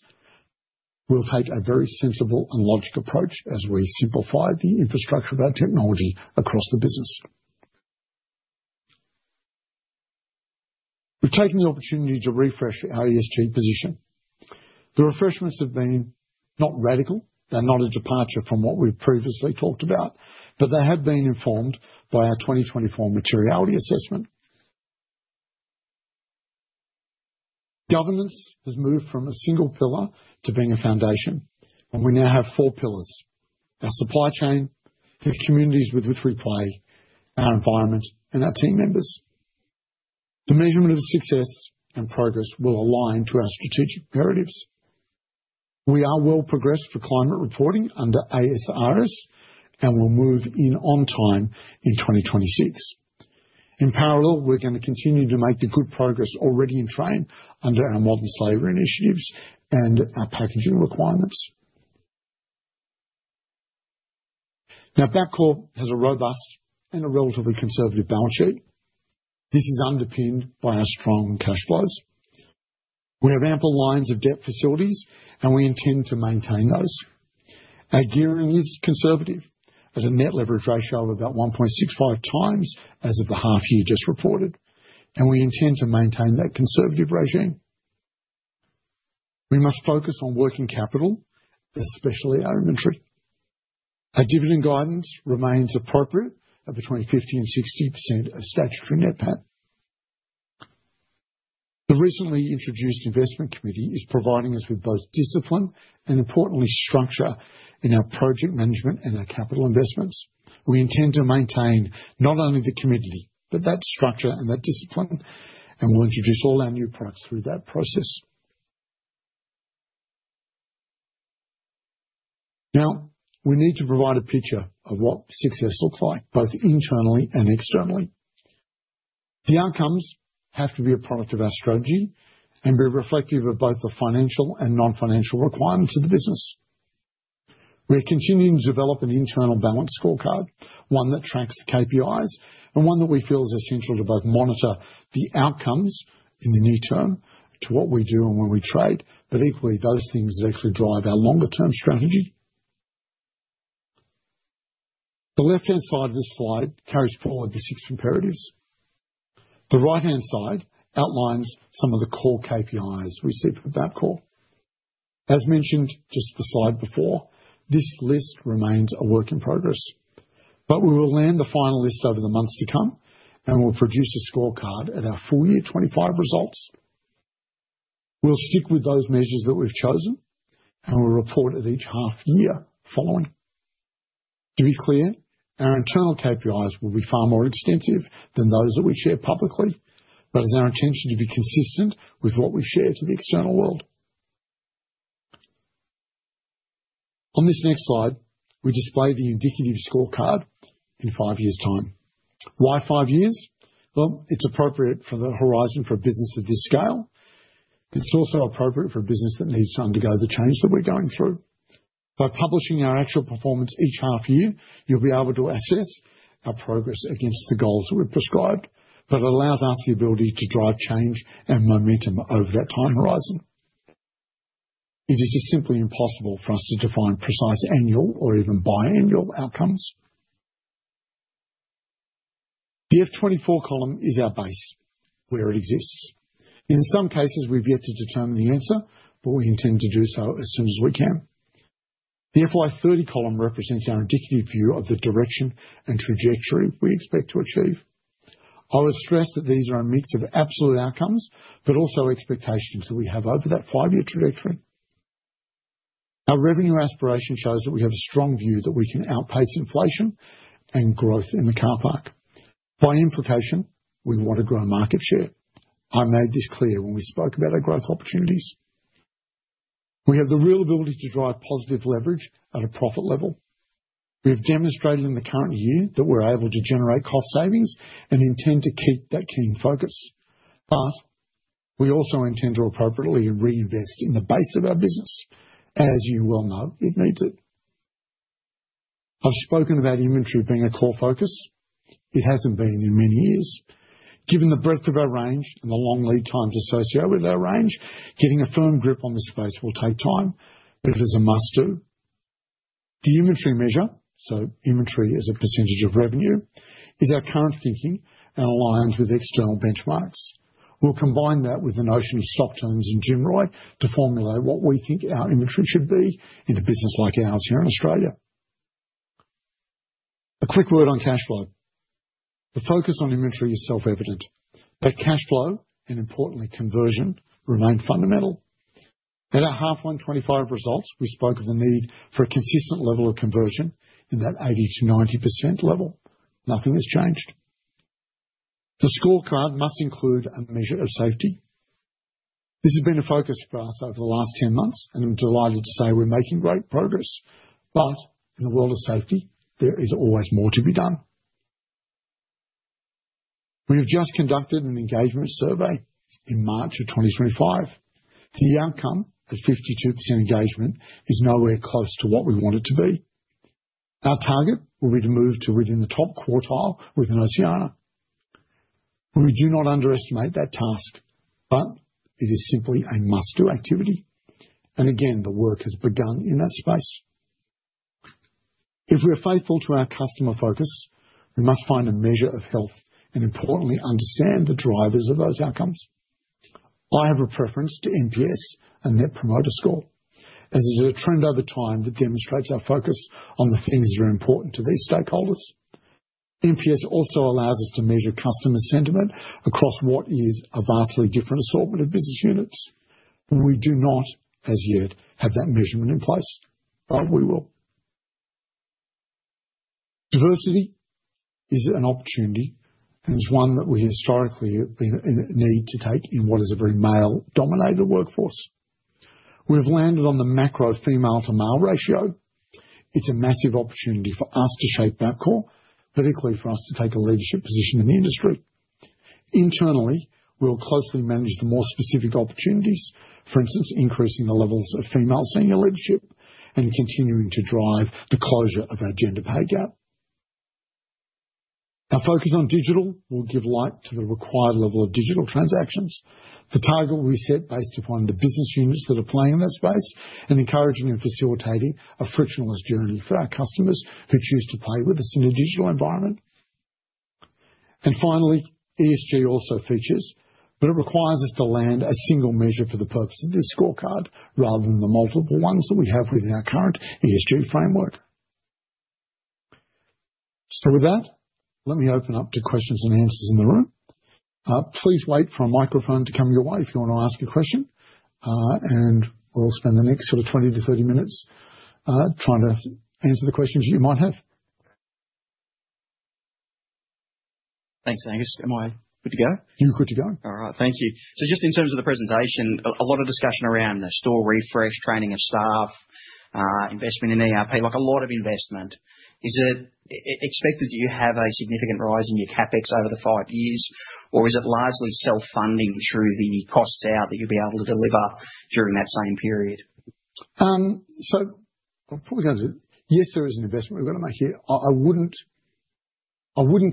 We'll take a very sensible and logical approach as we simplify the infrastructure of our technology across the business. We've taken the opportunity to refresh our ESG position. The refreshments have been not radical. They're not a departure from what we've previously talked about, but they have been informed by our 2024 materiality assessment. Governance has moved from a single pillar to being a foundation, and we now have four pillars: our supply chain, the communities with which we play, our environment, and our team members. The measurement of success and progress will align to our strategic imperatives. We are well progressed for climate reporting under ASRS, and we'll move in on time in 2026. In parallel, we're going to continue to make the good progress already in train under our modern slavery initiatives and our packaging requirements. Now, Bapcor has a robust and a relatively conservative balance sheet. This is underpinned by our strong cash flows. We have ample lines of debt facilities, and we intend to maintain those. Our gearing is conservative at a net leverage ratio of about 1.65 times as of the half year just reported, and we intend to maintain that conservative regime. We must focus on working capital, especially our inventory. Our dividend guidance remains appropriate at between 50%-60% of statutory net pat. The recently introduced investment committee is providing us with both discipline and, importantly, structure in our project management and our capital investments. We intend to maintain not only the committee, but that structure and that discipline, and we'll introduce all our new products through that process. Now, we need to provide a picture of what success looks like, both internally and externally. The outcomes have to be a product of our strategy and be reflective of both the financial and non-financial requirements of the business. We're continuing to develop an internal balance scorecard, one that tracks the KPIs and one that we feel is essential to both monitor the outcomes in the near term to what we do and where we trade, but equally those things that actually drive our longer-term strategy. The left-hand side of this slide carries forward the six imperatives. The right-hand side outlines some of the core KPIs we see for Bapcor. As mentioned just the slide before, this list remains a work in progress, but we will land the final list over the months to come, and we'll produce a scorecard at our full year 2025 results. We'll stick with those measures that we've chosen, and we'll report at each half year following. To be clear, our internal KPIs will be far more extensive than those that we share publicly, but it's our intention to be consistent with what we share to the external world. On this next slide, we display the indicative scorecard in five years' time. Why five years? It is appropriate for the horizon for a business of this scale, but it is also appropriate for a business that needs to undergo the change that we're going through. By publishing our actual performance each half year, you'll be able to assess our progress against the goals that we've prescribed, but it allows us the ability to drive change and momentum over that time horizon. It is just simply impossible for us to define precise annual or even biannual outcomes. The FY2024 column is our base where it exists. In some cases, we've yet to determine the answer, but we intend to do so as soon as we can. The FY2030 column represents our indicative view of the direction and trajectory we expect to achieve. I would stress that these are a mix of absolute outcomes, but also expectations that we have over that five-year trajectory. Our revenue aspiration shows that we have a strong view that we can outpace inflation and growth in the car park. By implication, we want to grow market share. I made this clear when we spoke about our growth opportunities. We have the real ability to drive positive leverage at a profit level. We have demonstrated in the current year that we're able to generate cost savings and intend to keep that keen focus. We also intend to appropriately reinvest in the base of our business, as you well know it needs it. I've spoken about inventory being a core focus. It hasn't been in many years. Given the breadth of our range and the long lead times associated with our range, getting a firm grip on this space will take time, but it is a must-do. The inventory measure, so inventory as a percentage of revenue, is our current thinking and aligns with external benchmarks. We'll combine that with the notion of stock terms and GMROI to formulate what we think our inventory should be in a business like ours here in Australia. A quick word on cash flow. The focus on inventory is self-evident, but cash flow and, importantly, conversion remain fundamental. At our half 125 results, we spoke of the need for a consistent level of conversion in that 80%-90% level. Nothing has changed. The scorecard must include a measure of safety. This has been a focus for us over the last 10 months, and I'm delighted to say we're making great progress. In the world of safety, there is always more to be done. We have just conducted an engagement survey in March of 2025. The outcome at 52% engagement is nowhere close to what we want it to be. Our target will be to move to within the top quartile within Oceania. We do not underestimate that task, but it is simply a must-do activity. Again, the work has begun in that space. If we are faithful to our customer focus, we must find a measure of health and, importantly, understand the drivers of those outcomes. I have a preference to NPS and net promoter score, as it is a trend over time that demonstrates our focus on the things that are important to these stakeholders. NPS also allows us to measure customer sentiment across what is a vastly different assortment of business units. We do not, as yet, have that measurement in place, but we will. Diversity is an opportunity, and it's one that we historically have been in need to take in what is a very male-dominated workforce. We have landed on the macro female-to-male ratio. It's a massive opportunity for us to shape Bapcor, particularly for us to take a leadership position in the industry. Internally, we'll closely manage the more specific opportunities, for instance, increasing the levels of female senior leadership and continuing to drive the closure of our gender pay gap. Our focus on digital will give light to the required level of digital transactions. The target will be set based upon the business units that are playing in that space and encouraging and facilitating a frictionless journey for our customers who choose to play with us in a digital environment. ESG also features, but it requires us to land a single measure for the purpose of this scorecard rather than the multiple ones that we have within our current ESG framework. With that, let me open up to questions and answers in the room. Please wait for a microphone to come your way if you want to ask a question, and we'll spend the next sort of 20-30 minutes trying to answer the questions you might have. Thanks, Angus. Am I good to go? You're good to go. All right. Thank you. Just in terms of the presentation, a lot of discussion around the store refresh, training of staff, investment in ERP, like a lot of investment. Is it expected that you have a significant rise in your CapEx over the five years, or is it largely self-funding through the costs out that you'll be able to deliver during that same period? I'll probably go to, yes, there is an investment we've got to make here. I wouldn't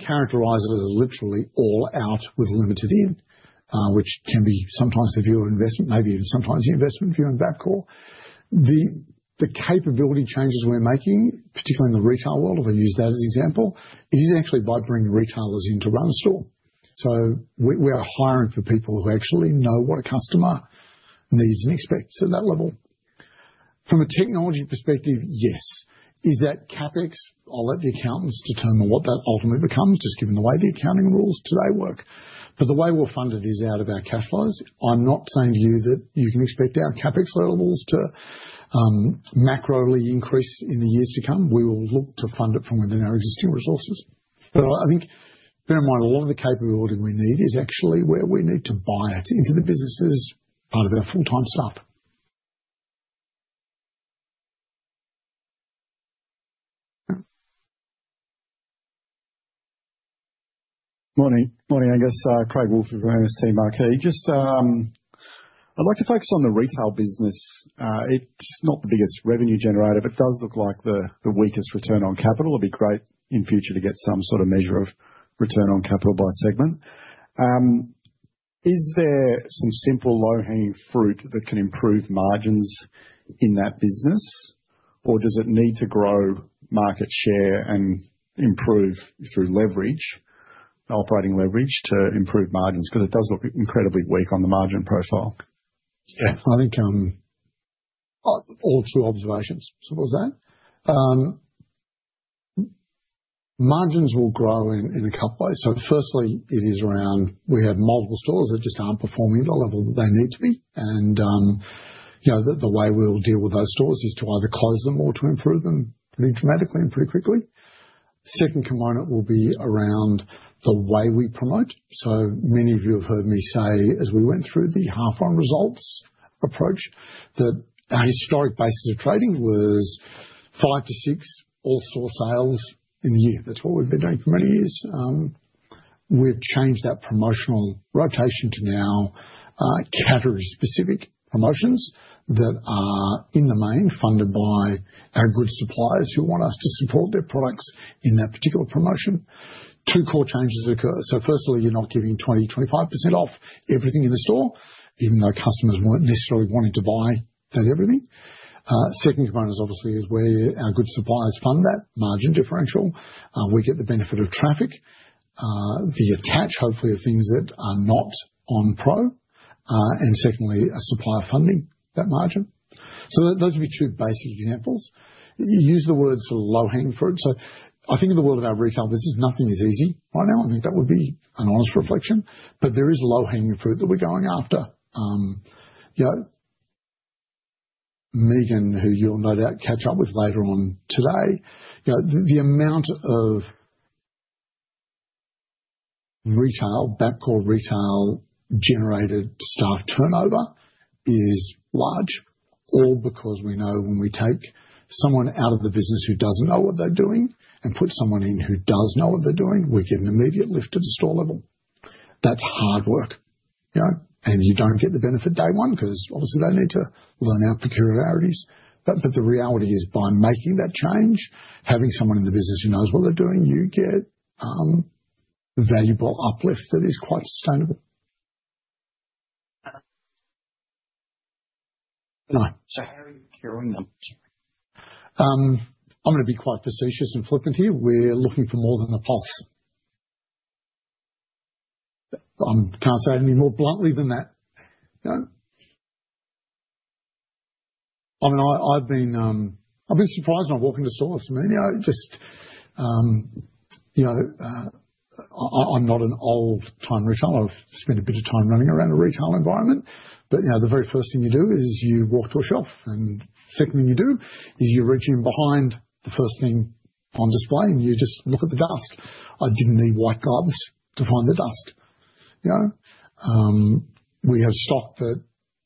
characterize it as literally all out with limited in, which can be sometimes the view of investment, maybe even sometimes the investment view in Bapcor core. The capability changes we're making, particularly in the retail world, if I use that as an example, it is actually by bringing retailers in to run the store. So we are hiring for people who actually know what a customer needs and expects at that level. From a technology perspective, yes. Is that CapEx? I'll let the accountants determine what that ultimately becomes, just given the way the accounting rules today work. But the way we'll fund it is out of our cash flows. I'm not saying to you that you can expect our CapEx levels to macroly increase in the years to come. We will look to fund it from within our existing resources. I think bear in mind a lot of the capability we need is actually where we need to buy it into the businesses, part of our full-time staff. Morning. Morning, Angus. Craig Wolff of Rehman's Team Arcade. Just I'd like to focus on the retail business. It's not the biggest revenue generator, but it does look like the weakest return on capital. It'd be great in future to get some sort of measure of return on capital by segment. Is there some simple low-hanging fruit that can improve margins in that business, or does it need to grow market share and improve through leverage, operating leverage to improve margins? Because it does look incredibly weak on the margin profile. Yeah, I think all two observations. So what was that? Margins will grow in a couple of ways. Firstly, it is around we have multiple stores that just aren't performing at the level that they need to be. The way we'll deal with those stores is to either close them or to improve them pretty dramatically and pretty quickly. Second component will be around the way we promote. Many of you have heard me say, as we went through the half-on results approach, that our historic basis of trading was five to six all-store sales in a year. That's what we've been doing for many years. We've changed that promotional rotation to now category-specific promotions that are in the main funded by our good suppliers who want us to support their products in that particular promotion. Two core changes occur. Firstly, you're not giving 20%-25% off everything in the store, even though customers weren't necessarily wanting to buy that everything. Second component, obviously, is where our good suppliers fund that margin differential. We get the benefit of traffic, the attach, hopefully, of things that are not on pro, and secondly, a supplier funding that margin. Those would be two basic examples. You use the word sort of low-hanging fruit. I think in the world of our retail business, nothing is easy right now. I think that would be an honest reflection, but there is low-hanging fruit that we're going after. Megan, who you'll no doubt catch up with later on today, the amount of retail, Bapcor retail-generated staff turnover is large, all because we know when we take someone out of the business who doesn't know what they're doing and put someone in who does know what they're doing, we get an immediate lift at the store level. That's hard work, and you don't get the benefit day one because, obviously, they need to learn our peculiarities. The reality is, by making that change, having someone in the business who knows what they're doing, you get valuable uplift that is quite sustainable. No. How are you curing them? I'm going to be quite facetious and flippant here. We're looking for more than the pulse. I can't say any more bluntly than that. I mean, I've been surprised when I walk into stores. For me, just I'm not an old-time retailer. I've spent a bit of time running around a retail environment, but the very first thing you do is you walk to a shelf, and the second thing you do is you reach in behind the first thing on display, and you just look at the dust. I didn't need white gloves to find the dust. We have stock that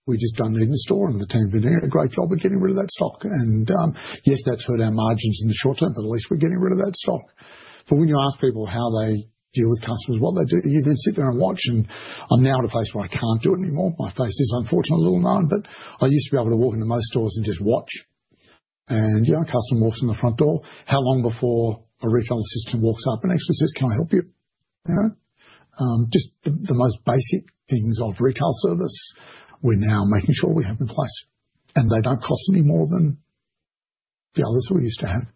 we just don't need in the store, and the team have been doing a great job of getting rid of that stock. Yes, that's hurt our margins in the short term, but at least we're getting rid of that stock. When you ask people how they deal with customers, what they do, you then sit there and watch, and I'm now at a place where I can't do it anymore. My face is, unfortunately, a little known, but I used to be able to walk into most stores and just watch. A customer walks in the front door. How long before a retail assistant walks up and actually says, "Can I help you?" Just the most basic things of retail service, we're now making sure we have in place, and they don't cost any more than the others we used to have.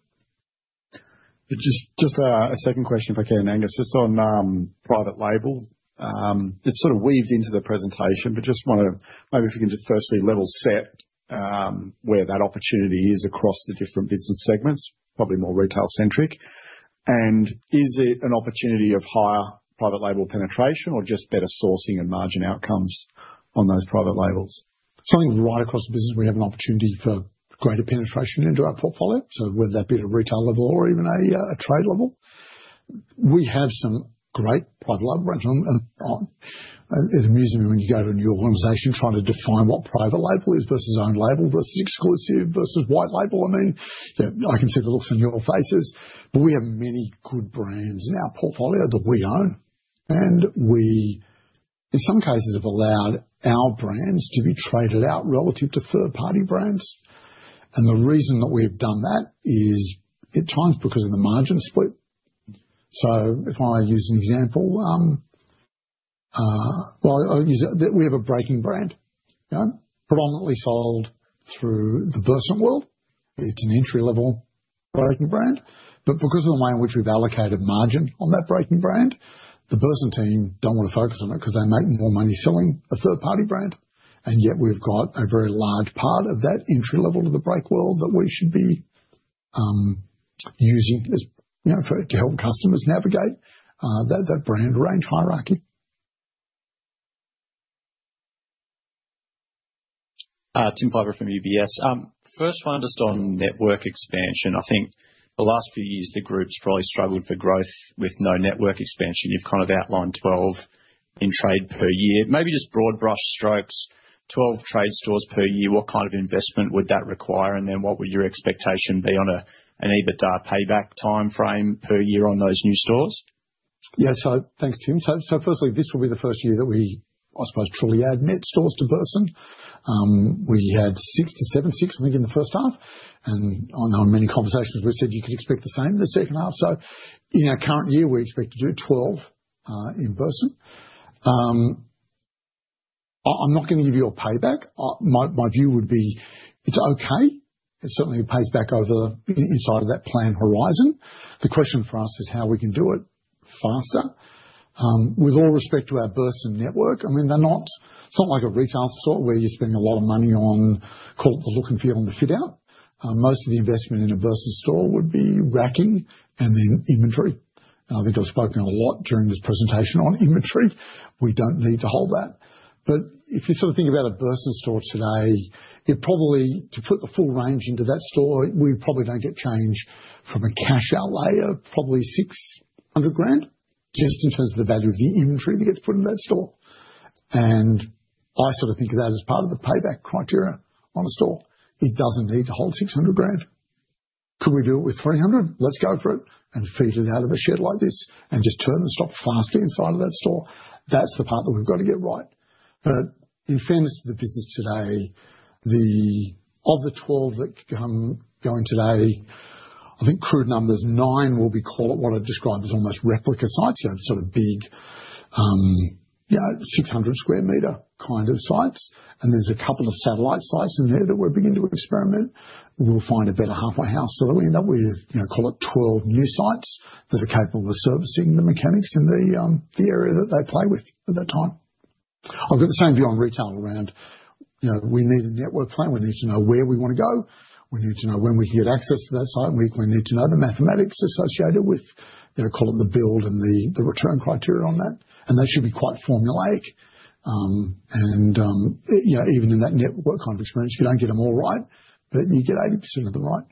Just a second question, if I can, Angus, just on private label. It's sort of weaved into the presentation, but just want to maybe, if we can just firstly level set where that opportunity is across the different business segments, probably more retail-centric. Is it an opportunity of higher private label penetration or just better sourcing and margin outcomes on those private labels? Something right across the business, we have an opportunity for greater penetration into our portfolio, so whether that be at a retail level or even a trade level. We have some great private label brands. It amuses me when you go to a new organization trying to define what private label is versus own label versus exclusive versus white label. I mean, I can see the looks on your faces, but we have many good brands in our portfolio that we own, and we, in some cases, have allowed our brands to be traded out relative to third-party brands. The reason that we've done that is, at times, because of the margin split. If I use an example, we have a braking brand, predominantly sold through the Burson world. It's an entry-level braking brand. Because of the way in which we've allocated margin on that braking brand, the Burson team do not want to focus on it because they make more money selling a third-party brand. Yet, we've got a very large part of that entry-level to the brake world that we should be using to help customers navigate that brand range hierarchy. Tim Piper from UBS. First, I wanted to start on network expansion. I think the last few years, the group's probably struggled for growth with no network expansion. You've kind of outlined 12 in trade per year. Maybe just broad brush strokes, 12 trade stores per year. What kind of investment would that require? And then what would your expectation be on an EBITDA payback timeframe per year on those new stores? Yeah, thanks, Tim. Firstly, this will be the first year that we, I suppose, truly add net stores to Burson. We had six to seven, six, I think, in the first half. I know in many conversations, we said you could expect the same in the second half. In our current year, we expect to do 12 in Burson. I'm not going to give you a payback. My view would be it's okay. It certainly pays back over the inside of that plan horizon. The question for us is how we can do it faster. With all respect to our Burson network, I mean, it's not like a retail store where you're spending a lot of money on, call it the look and feel and the fit-out. Most of the investment in a Burson store would be racking and then inventory. I think I've spoken a lot during this presentation on inventory. We don't need to hold that. If you sort of think about a Burson store today, to put the full range into that store, we probably don't get change from a cash-out layer, probably 600,000, just in terms of the value of the inventory that gets put in that store. I sort of think of that as part of the payback criteria on a store. It doesn't need to hold 600,000. Could we do it with 300,000? Let's go for it and feed it out of a shed like this and just turn the stock faster inside of that store. That's the part that we've got to get right. In fairness to the business today, of the 12 that come going today, I think crude numbers, nine will be called what I describe as almost replica sites, sort of big 600 sq m kind of sites. There are a couple of satellite sites in there that we're beginning to experiment. We'll find a better halfway house so that we end up with, call it 12 new sites that are capable of servicing the mechanics in the area that they play with at that time. I've got the same view on retail around we need a network plan. We need to know where we want to go. We need to know when we can get access to that site. We need to know the mathematics associated with, call it the build and the return criteria on that. They should be quite formulaic. Even in that network kind of experience, you do not get them all right, but you get 80% of them right.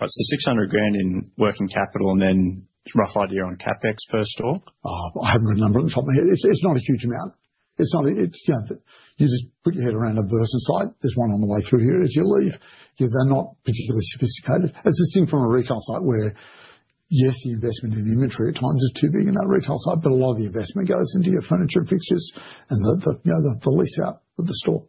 Right. 600,000 in working capital and then rough idea on CapEx per store? I have not got a number off the top of my head. It is not a huge amount. You just put your head around a Burson site. There is one on the way through here as you leave. They are not particularly sophisticated. It's a thing from a retail site where, yes, the investment in inventory at times is too big in that retail site, but a lot of the investment goes into your furniture and fixtures and the lease out of the store.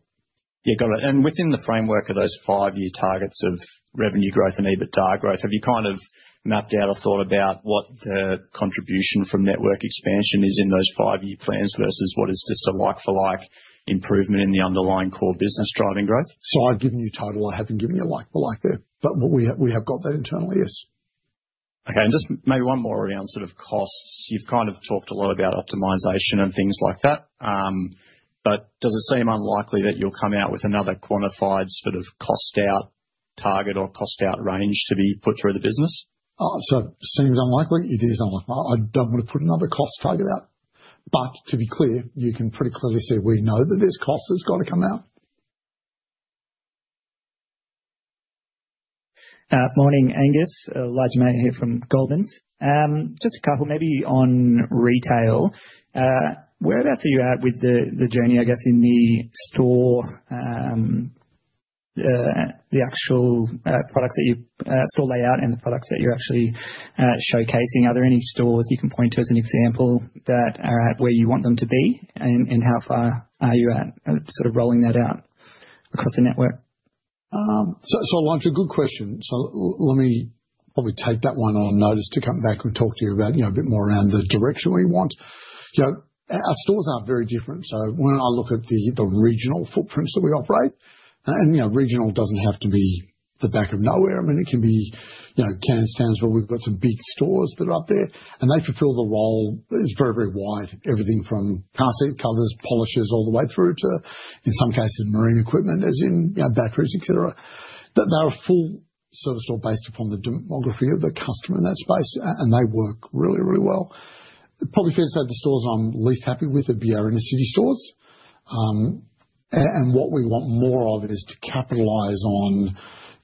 Yeah, got it. Within the framework of those five-year targets of revenue growth and EBITDA growth, have you kind of mapped out or thought about what the contribution from network expansion is in those five-year plans versus what is just a like-for-like improvement in the underlying core business driving growth? I have given you total. I have not given you a like-for-like there. We have got that internally, yes. Okay. Just maybe one more around sort of costs. You have kind of talked a lot about optimization and things like that. Does it seem unlikely that you'll come out with another quantified sort of cost-out target or cost-out range to be put through the business? It seems unlikely. It is unlikely. I don't want to put another cost target out. To be clear, you can pretty clearly say we know that there's cost that's got to come out. Morning, Angus. Lars Mann here from Goldmans. Just a couple, maybe on retail. Whereabouts are you at with the journey, I guess, in the store, the actual products that you store layout and the products that you're actually showcasing? Are there any stores you can point to as an example that are at where you want them to be, and how far are you at sort of rolling that out across the network? Lars, a good question. Let me probably take that one on notice to come back and talk to you about a bit more around the direction we want. Our stores are not very different. When I look at the regional footprints that we operate, and regional does not have to be the back of nowhere. I mean, it can be Campsie, but we have some big stores that are up there, and they fulfill the role. It is very, very wide. Everything from car seat covers, polishes, all the way through to, in some cases, marine equipment, as in batteries, etc. They are a full service store based upon the demography of the customer in that space, and they work really, really well. Probably fair to say the stores I am least happy with are barn and city stores. What we want more of is to capitalize on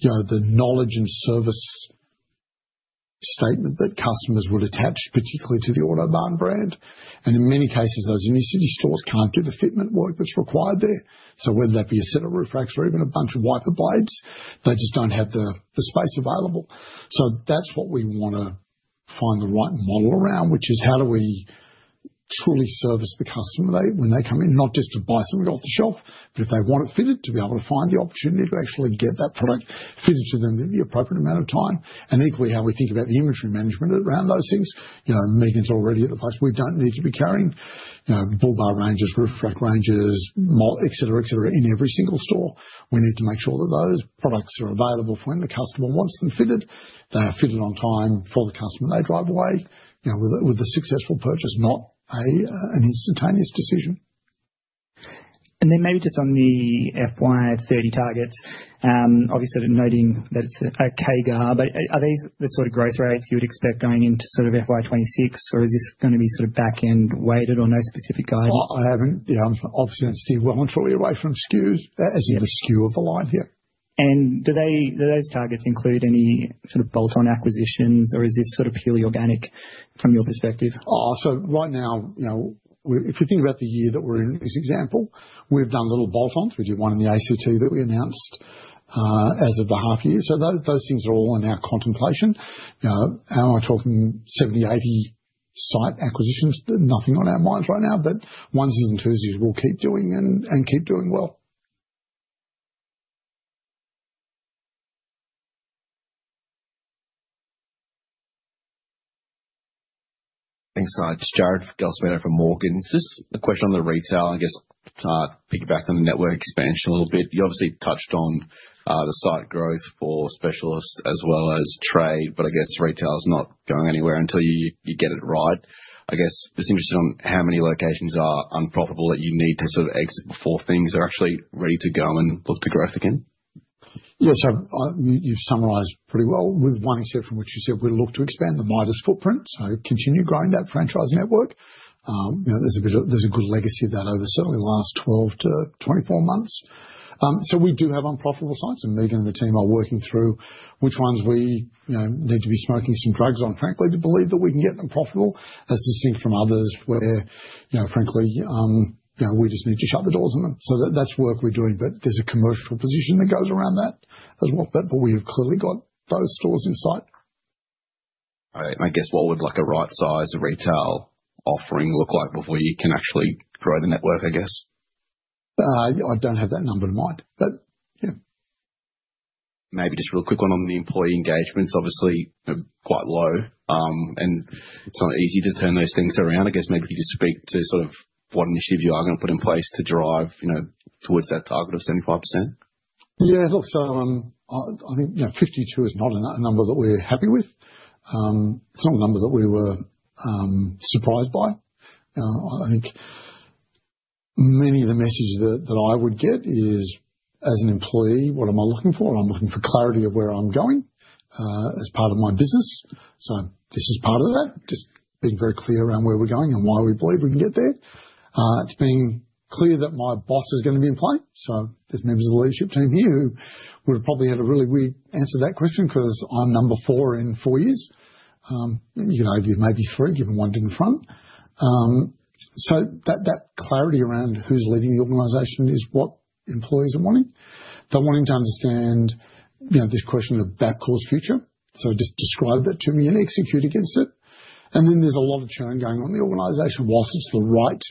the knowledge and service statement that customers would attach, particularly to the Autobarn brand. In many cases, those in-your-city stores can't do the fitment work that's required there. Whether that be a set of roof racks or even a bunch of wiper blades, they just don't have the space available. That is what we want to find the right model around, which is how do we truly service the customer when they come in, not just to buy something off the shelf, but if they want it fitted, to be able to find the opportunity to actually get that product fitted to them in the appropriate amount of time. Equally, how we think about the inventory management around those things. Megan's already at the place. We don't need to be carrying bullbar ranges, roof rack ranges, etc., etc. in every single store. We need to make sure that those products are available for when the customer wants them fitted. They are fitted on time for the customer. They drive away with a successful purchase, not an instantaneous decision. Maybe just on the FY2030 targets, obviously noting that it's a KGAR, but are these the sort of growth rates you would expect going into sort of FY2026, or is this going to be sort of back-end weighted or no specific guidance? I haven't. Obviously, I'm Steve Wellman from SKUs, as in the SKU of the line here. Do those targets include any sort of bolt-on acquisitions, or is this sort of purely organic from your perspective? Right now, if we think about the year that we're in, this example, we've done little bolt-ons. We did one in the ACT that we announced as of the half year. Those things are all in our contemplation. Am I talking 70-80 site acquisitions? Nothing on our minds right now, but Wednesdays and Tuesdays we'll keep doing and keep doing well. Thanks. Jared Gillsparrow from MorganSys. A question on the retail. I guess piggyback on the network expansion a little bit. You obviously touched on the site growth for specialists as well as trade, but I guess retail is not going anywhere until you get it right. I guess just interested on how many locations are unprofitable that you need to sort of exit before things are actually ready to go and look to growth again? Yes, you've summarized pretty well with one exception which you said we look to expand the Midas footprint, so continue growing that franchise network. There's a good legacy of that over certainly the last 12-24 months. We do have unprofitable sites, and Megan and the team are working through which ones we need to be smoking some drugs on, frankly, to believe that we can get them profitable. That's distinct from others where, frankly, we just need to shut the doors on them. That's work we're doing, but there's a commercial position that goes around that as well. We have clearly got those stores in sight. All right. I guess what would a right-sized retail offering look like before you can actually grow the network, I guess? I don't have that number in mind, but yeah. Maybe just a real quick one on the employee engagements. Obviously, quite low, and it's not easy to turn those things around. I guess maybe if you just speak to sort of what initiatives you are going to put in place to drive towards that target of 75%. Yeah, look, I think 52 is not a number that we're happy with. It's not a number that we were surprised by. I think many of the messages that I would get is, as an employee, what am I looking for? I'm looking for clarity of where I'm going as part of my business. This is part of that, just being very clear around where we're going and why we believe we can get there. It's being clear that my boss is going to be in play. There's members of the leadership team here who would have probably had a really weird answer to that question because I'm number four in four years. You could argue maybe three, given one thing in front. That clarity around who's leading the organization is what employees are wanting. They're wanting to understand this question of Bapcor's future. Just describe that to me and execute against it. There's a lot of churn going on in the organization. Whilst it's the right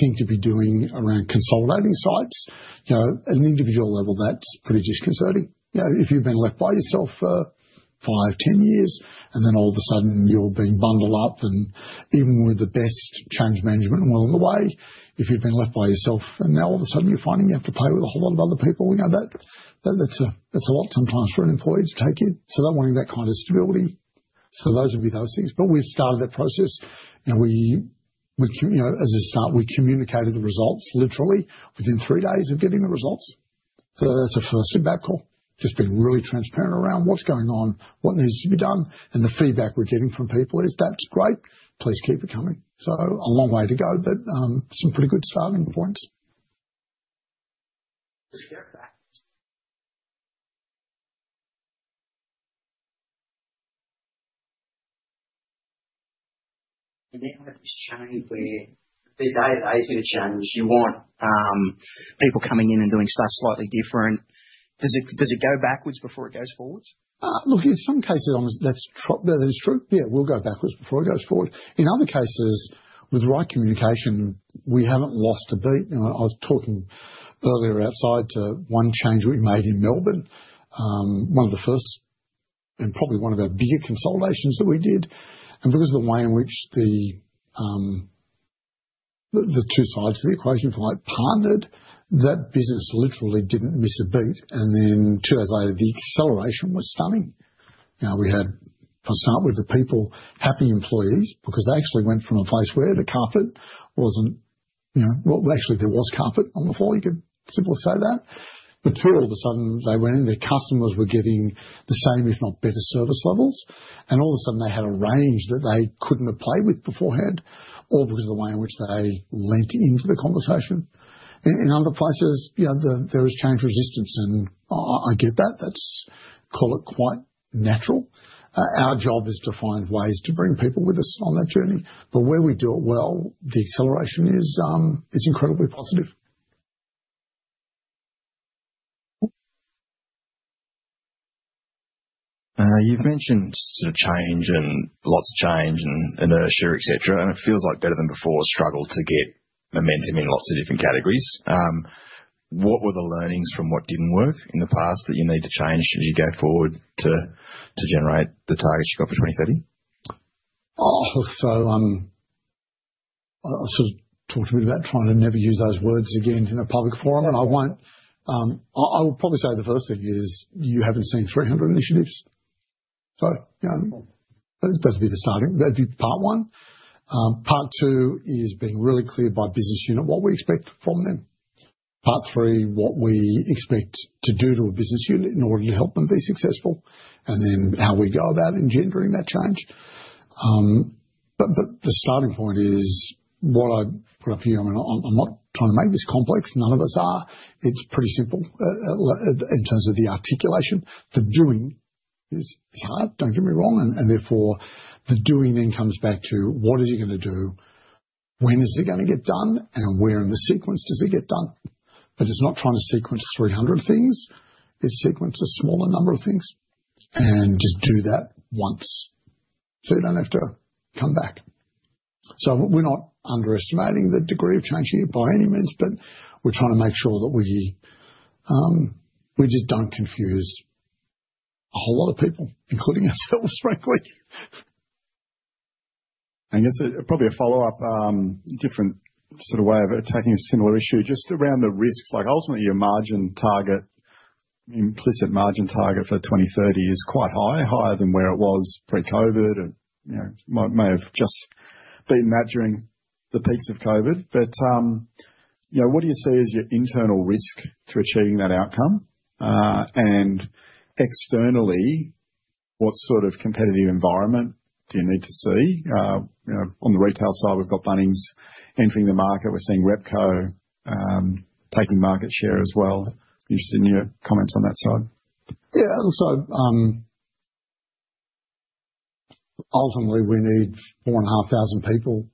thing to be doing around consolidating sites, at an individual level, that's pretty disconcerting. If you've been left by yourself for five, 10 years, and then all of a sudden you're being bundled up, and even with the best change management and well on the way, if you've been left by yourself, and now all of a sudden you're finding you have to play with a whole lot of other people, that's a lot sometimes for an employee to take in. They are wanting that kind of stability. Those would be those things. We have started that process. As a start, we communicated the results literally within three days of getting the results. That is a first. Feedback call. Just being really transparent around what's going on, what needs to be done. The feedback we're getting from people is, "That's great. Please keep it coming." A long way to go, but some pretty good starting points. We may have this change where the day of the day is going to change. You want people coming in and doing stuff slightly different. Does it go backwards before it goes forwards? Look, in some cases, that's true. Yeah, we'll go backwards before it goes forward. In other cases, with the right communication, we haven't lost a beat. I was talking earlier outside to one change we made in Melbourne, one of the first and probably one of our bigger consolidations that we did. Because of the way in which the two sides of the equation partnered, that business literally didn't miss a beat. Two days later, the acceleration was stunning. We had, I'll start with the people, happy employees, because they actually went from a place where the carpet wasn't—well, actually, there was carpet on the floor. You could simply say that. Two, all of a sudden, they went in. Their customers were getting the same, if not better, service levels. All of a sudden, they had a range that they couldn't have played with beforehand, all because of the way in which they lent into the conversation. In other places, there was change resistance, and I get that. That's, call it, quite natural. Our job is to find ways to bring people with us on that journey. Where we do it well, the acceleration is incredibly positive. You've mentioned sort of change and lots of change and inertia, etc. It feels like better than before struggled to get momentum in lots of different categories. What were the learnings from what didn't work in the past that you need to change as you go forward to generate the targets you've got for 2030? I sort of talked a bit about trying to never use those words again in a public forum. I will probably say the first thing is you haven't seen 300 initiatives. That would be the starting. That would be part one. Part two is being really clear by business unit what we expect from them. Part three, what we expect to do to a business unit in order to help them be successful, and then how we go about engendering that change. The starting point is what I put up here. I'm not trying to make this complex. None of us are. It's pretty simple in terms of the articulation. The doing is hard. Don't get me wrong. Therefore, the doing then comes back to what are you going to do? When is it going to get done? Where in the sequence does it get done? It's not trying to sequence 300 things. It's sequence a smaller number of things and just do that once so you don't have to come back. We're not underestimating the degree of change here by any means, but we're trying to make sure that we just don't confuse a whole lot of people, including ourselves, frankly. I guess probably a follow-up, different sort of way of attacking a similar issue just around the risks. Ultimately, your margin target, implicit margin target for 2030 is quite high, higher than where it was pre-COVID. It may have just beaten that during the peaks of COVID. What do you see as your internal risk to achieving that outcome? Externally, what sort of competitive environment do you need to see? On the retail side, we've got Bunnings entering the market. We're seeing Repco taking market share as well. Interested in your comments on that side. Yeah. Ultimately, we need four and a half thousand people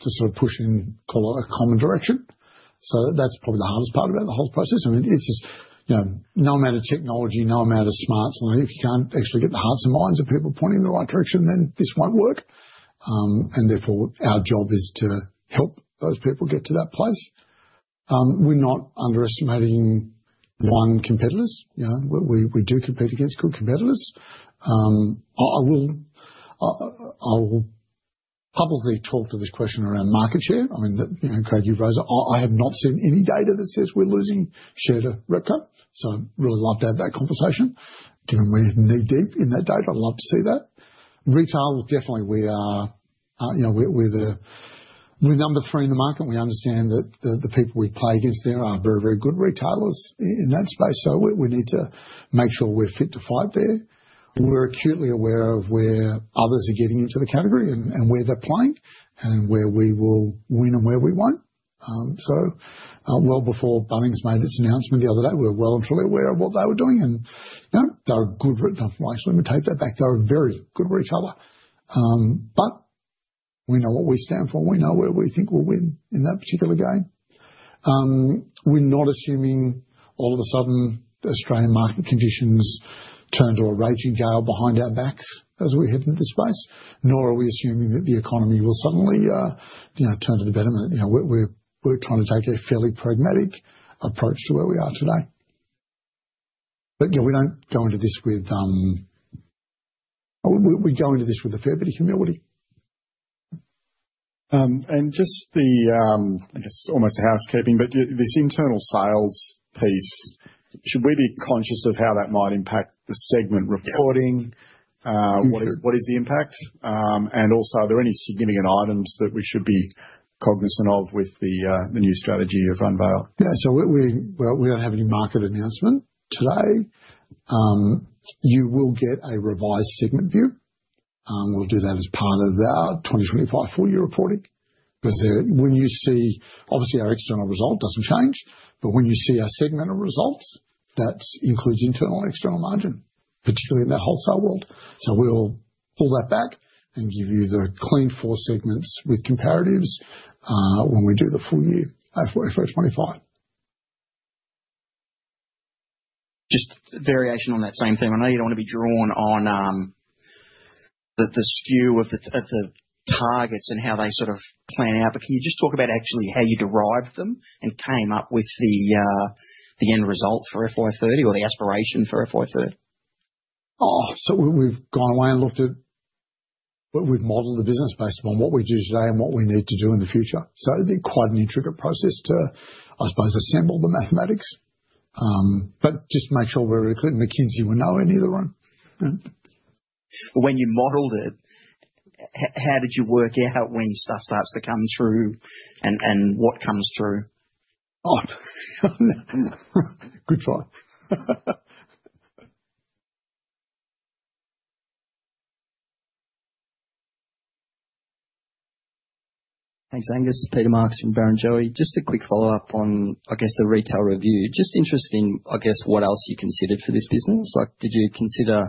to sort of push in, call it a common direction. That is probably the hardest part about the whole process. I mean, it is just no amount of technology, no amount of smarts. If you cannot actually get the hearts and minds of people pointing in the right direction, then this will not work. Therefore, our job is to help those people get to that place. We are not underestimating one competitor. We do compete against good competitors. I will publicly talk to this question around market share. I mean, Craig U. Rosa, I have not seen any data that says we are losing share to Repco. I would really love to have that conversation. Given we are knee-deep in that data, I would love to see that. Retail, definitely, we are number three in the market. We understand that the people we play against there are very, very good retailers in that space. We need to make sure we're fit to fight there. We're acutely aware of where others are getting into the category and where they're playing and where we will win and where we won't. Well before Bunnings made its announcement the other day, we were well and truly aware of what they were doing. They're good retailers. I take that back. They're very good retailers. We know what we stand for. We know where we think we'll win in that particular game. We're not assuming all of a sudden the Australian market conditions turn to a raging gale behind our backs as we head into the space, nor are we assuming that the economy will suddenly turn to the betterment. We're trying to take a fairly pragmatic approach to where we are today. Yeah, we don't go into this with a fair bit of humility. Just the, I guess, almost housekeeping, but this internal sales piece, should we be conscious of how that might impact the segment reporting? What is the impact? Also, are there any significant items that we should be cognizant of with the new strategy of Unveil? Yeah. We don't have any market announcement today. You will get a revised segment view. We'll do that as part of our 2025 full year reporting. When you see, obviously, our external result doesn't change, but when you see our segment of results, that includes internal and external margin, particularly in that wholesale world. We'll pull that back and give you the clean four segments with comparatives when we do the full year for 2025. Just variation on that same thing. I know you don't want to be drawn on the skew of the targets and how they sort of plan out, but can you just talk about actually how you derived them and came up with the end result for FY2030 or the aspiration for FY2030? We've gone away and looked at, but we've modeled the business based upon what we do today and what we need to do in the future. Quite an intricate process to, I suppose, assemble the mathematics, but just make sure we're really clear that McKinsey will know any of the wrong. When you modeled it, how did you work out when your stuff starts to come through and what comes through? Good try. Thanks, Angus. Peter Marks from Barrenjoey. Just a quick follow-up on, I guess, the retail review. Just interested in, I guess, what else you considered for this business. Did you consider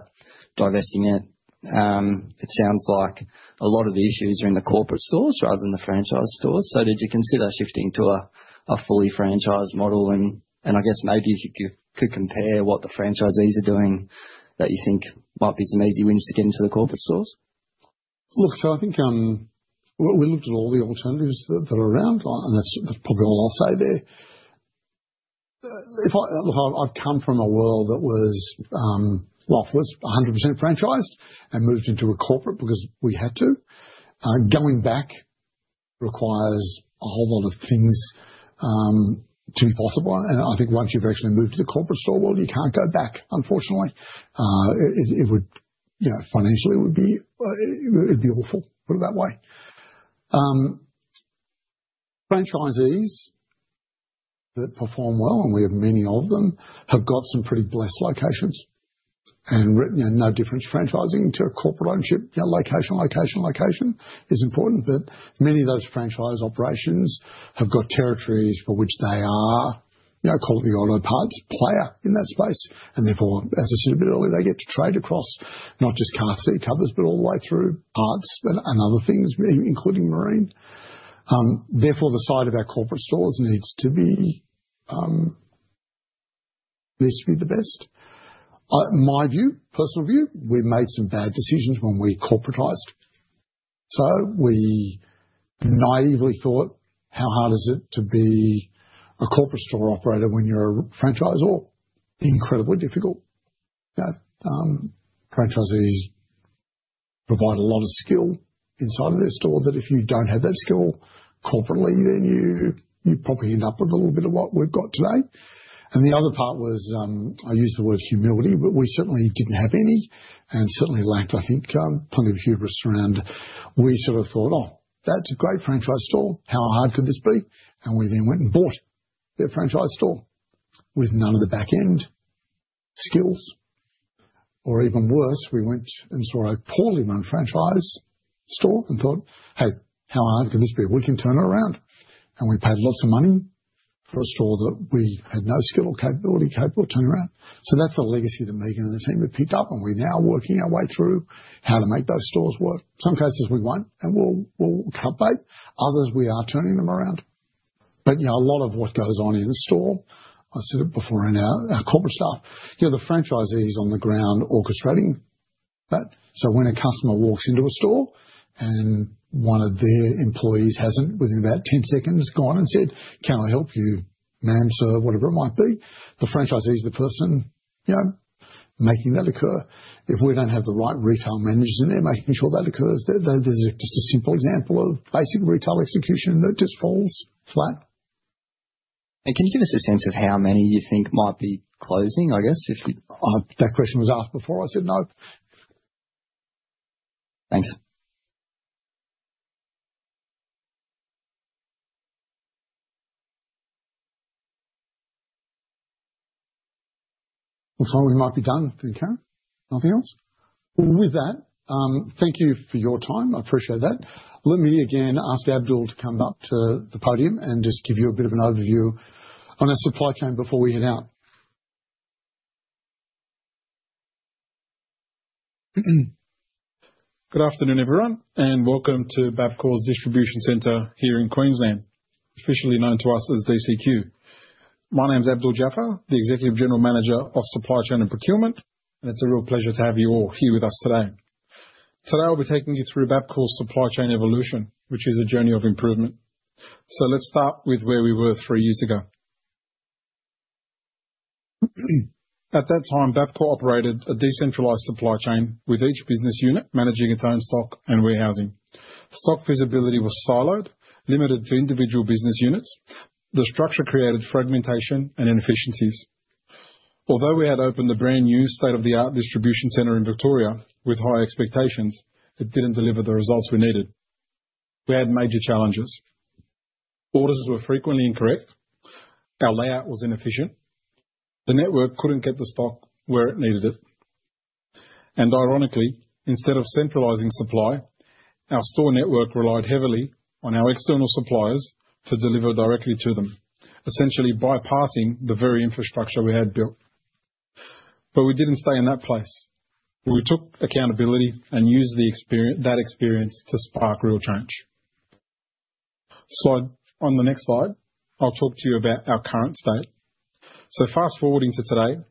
divesting it? It sounds like a lot of the issues are in the corporate stores rather than the franchise stores. Did you consider shifting to a fully franchised model? I guess maybe if you could compare what the franchisees are doing that you think might be some easy wins to get into the corporate stores? Look, I think we looked at all the alternatives that are around, and that's probably all I'll say there. Look, I've come from a world that was, well, I was 100% franchised and moved into a corporate because we had to. Going back requires a whole lot of things to be possible. I think once you've actually moved to the corporate store world, you can't go back, unfortunately. Financially, it would be awful, put it that way. Franchisees that perform well, and we have many of them, have got some pretty blessed locations. No difference franchising to corporate ownership. Location, location, location is important, but many of those franchise operations have got territories for which they are, call it the auto parts player in that space. Therefore, as I said a bit earlier, they get to trade across not just car seat covers, but all the way through parts and other things, including marine. Therefore, the side of our corporate stores needs to be the best. My view, personal view, we made some bad decisions when we corporatized. We naively thought, how hard is it to be a corporate store operator when you're a franchise? Incredibly difficult. Franchisees provide a lot of skill inside of their store that if you do not have that skill corporately, you probably end up with a little bit of what we have got today. The other part was, I use the word humility, but we certainly did not have any and certainly lacked, I think, plenty of hubris around. We sort of thought, "Oh, that is a great franchise store. How hard could this be?" We then went and bought their franchise store with none of the back-end skills. Even worse, we went and saw a poorly run franchise store and thought, "Hey, how hard could this be? We can turn it around." We paid lots of money for a store that we had no skill or capability capable of turning around. That's the legacy that Megan and the team have picked up, and we're now working our way through how to make those stores work. In some cases, we won't, and we'll close them. Others, we are turning them around. A lot of what goes on in a store, I said it before in our corporate stuff, the franchisee is on the ground orchestrating that. When a customer walks into a store and one of their employees hasn't within about 10 seconds gone and said, "Can I help you, ma'am, sir, whatever it might be?" the franchisee is the person making that occur. If we don't have the right retail managers in there making sure that occurs, there's just a simple example of basic retail execution that just falls flat. Can you give us a sense of how many you think might be closing, I guess, if you? That question was asked before. I said no. Thanks. Looks like we might be done. I think nothing else. With that, thank you for your time. I appreciate that. Let me again ask Abdul to come back to the podium and just give you a bit of an overview on our supply chain before we head out. Good afternoon, everyone, and welcome to Bapcor's Distribution Centre here in Queensland, officially known to us as DCQ. My name is Abdul Jaafar, the Executive General Manager of Supply Chain and Procurement, and it's a real pleasure to have you all here with us today. Today, I'll be taking you through Bapcor's supply chain evolution, which is a journey of improvement. Let's start with where we were three years ago. At that time, Bapcor operated a decentralized supply chain with each business unit managing its own stock and warehousing. Stock visibility was siloed, limited to individual business units. The structure created fragmentation and inefficiencies. Although we had opened a brand new state-of-the-art distribution center in Victoria with high expectations, it did not deliver the results we needed. We had major challenges. Orders were frequently incorrect. Our layout was inefficient. The network could not get the stock where it needed it. Ironically, instead of centralizing supply, our store network relied heavily on our external suppliers to deliver directly to them, essentially bypassing the very infrastructure we had built. We did not stay in that place. We took accountability and used that experience to spark real change. On the next slide, I will talk to you about our current state. Fast forwarding to today,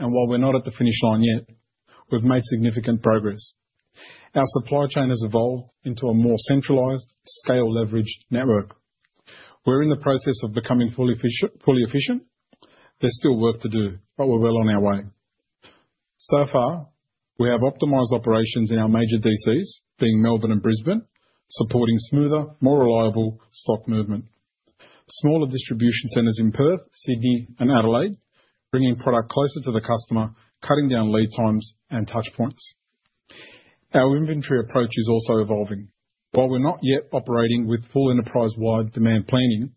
and while we are not at the finish line yet, we have made significant progress. Our supply chain has evolved into a more centralized, scale-leveraged network. We're in the process of becoming fully efficient. There's still work to do, but we're well on our way. So far, we have optimized operations in our major DCs, being Melbourne and Brisbane, supporting smoother, more reliable stock movement. Smaller distribution centers in Perth, Sydney, and Adelaide, bringing product closer to the customer, cutting down lead times and touchpoints. Our inventory approach is also evolving. While we're not yet operating with full enterprise-wide demand planning,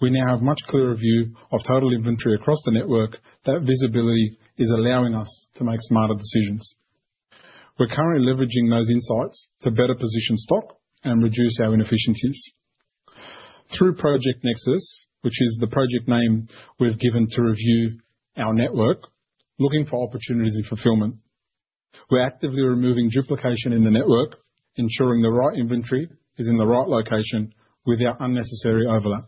we now have much clearer view of total inventory across the network. That visibility is allowing us to make smarter decisions. We're currently leveraging those insights to better position stock and reduce our inefficiencies. Through Project Nexus, which is the project name we've given to review our network, looking for opportunities in fulfillment. We're actively removing duplication in the network, ensuring the right inventory is in the right location without unnecessary overlap.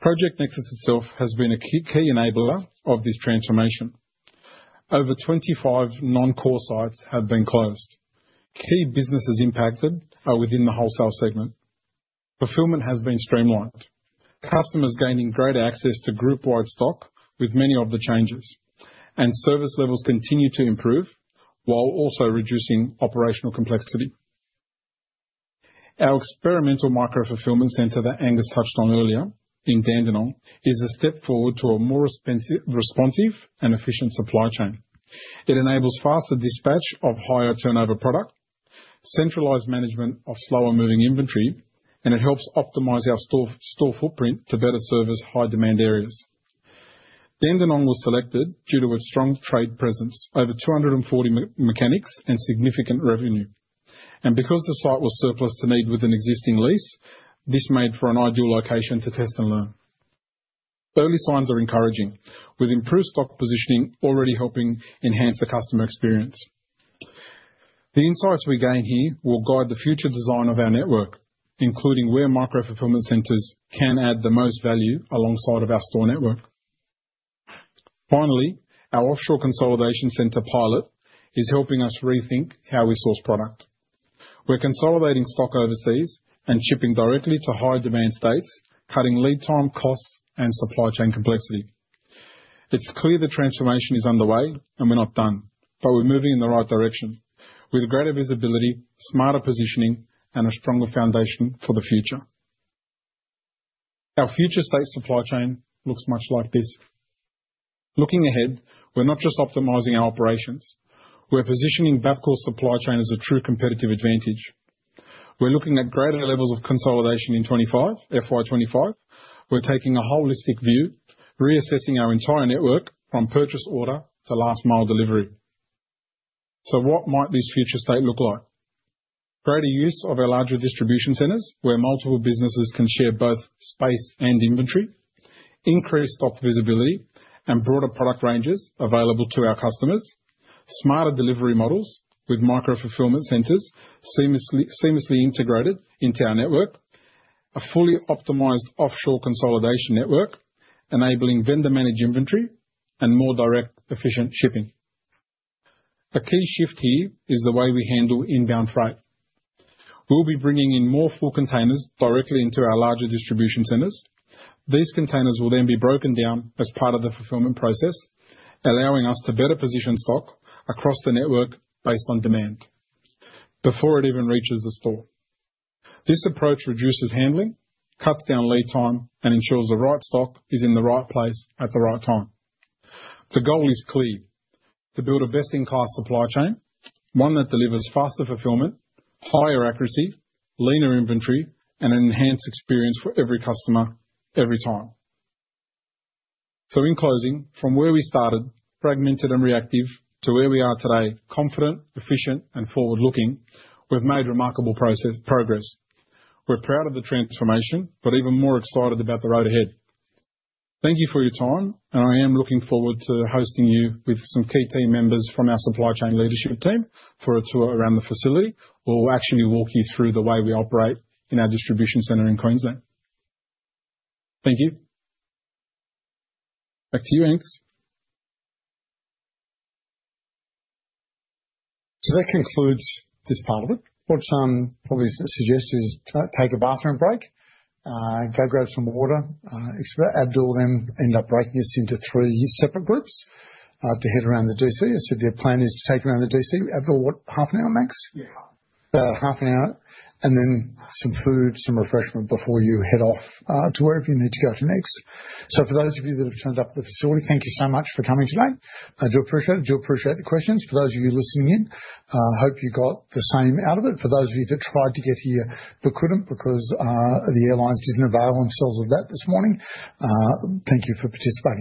Project Nexus itself has been a key enabler of this transformation. Over 25 non-core sites have been closed. Key businesses impacted are within the wholesale segment. Fulfillment has been streamlined. Customers are gaining greater access to group-wide stock with many of the changes. Service levels continue to improve while also reducing operational complexity. Our experimental micro-fulfillment center that Angus McKay touched on earlier in Dandenong is a step forward to a more responsive and efficient supply chain. It enables faster dispatch of higher turnover product, centralized management of slower-moving inventory, and it helps optimize our store footprint to better service high-demand areas. Dandenong was selected due to its strong trade presence, over 240 mechanics, and significant revenue. Because the site was surplus to need with an existing lease, this made for an ideal location to test and learn. Early signs are encouraging, with improved stock positioning already helping enhance the customer experience. The insights we gain here will guide the future design of our network, including where micro-fulfillment centers can add the most value alongside our store network. Finally, our offshore consolidation center pilot is helping us rethink how we source product. We're consolidating stock overseas and shipping directly to high-demand states, cutting lead time, costs, and supply chain complexity. It's clear the transformation is underway and we're not done, but we're moving in the right direction with greater visibility, smarter positioning, and a stronger foundation for the future. Our future state supply chain looks much like this. Looking ahead, we're not just optimizing our operations. We're positioning Bapcor's supply chain as a true competitive advantage. We're looking at greater levels of consolidation in FY2025. We're taking a holistic view, reassessing our entire network from purchase order to last-mile delivery. What might this future state look like? Greater use of our larger distribution centers where multiple businesses can share both space and inventory, increased stock visibility, and broader product ranges available to our customers, smarter delivery models with micro-fulfillment centers seamlessly integrated into our network, a fully optimized offshore consolidation network enabling vendor-managed inventory and more direct, efficient shipping. A key shift here is the way we handle inbound freight. We'll be bringing in more full containers directly into our larger distribution centers. These containers will then be broken down as part of the fulfillment process, allowing us to better position stock across the network based on demand before it even reaches the store. This approach reduces handling, cuts down lead time, and ensures the right stock is in the right place at the right time. The goal is clear: to build a best-in-class supply chain, one that delivers faster fulfillment, higher accuracy, leaner inventory, and an enhanced experience for every customer, every time. In closing, from where we started, fragmented and reactive, to where we are today, confident, efficient, and forward-looking, we've made remarkable progress. We're proud of the transformation, but even more excited about the road ahead. Thank you for your time, and I am looking forward to hosting you with some key team members from our supply chain leadership team for a tour around the facility. We'll actually walk you through the way we operate in our distribution center in Queensland. Thank you. Back to you, Angus. That concludes this part of it. What I'm probably suggesting is take a bathroom break, go grab some water. Abdul then ended up breaking us into three separate groups to head around the DC. I said their plan is to take around the DC. Abdul, what, half an hour, max? Yeah, half an hour. And then some food, some refreshment before you head off to wherever you need to go to next. For those of you that have turned up at the facility, thank you so much for coming today. I do appreciate it. Do appreciate the questions. For those of you listening in, I hope you got the same out of it. For those of you that tried to get here but couldn't because the airlines didn't avail themselves of that this morning, thank you for participating.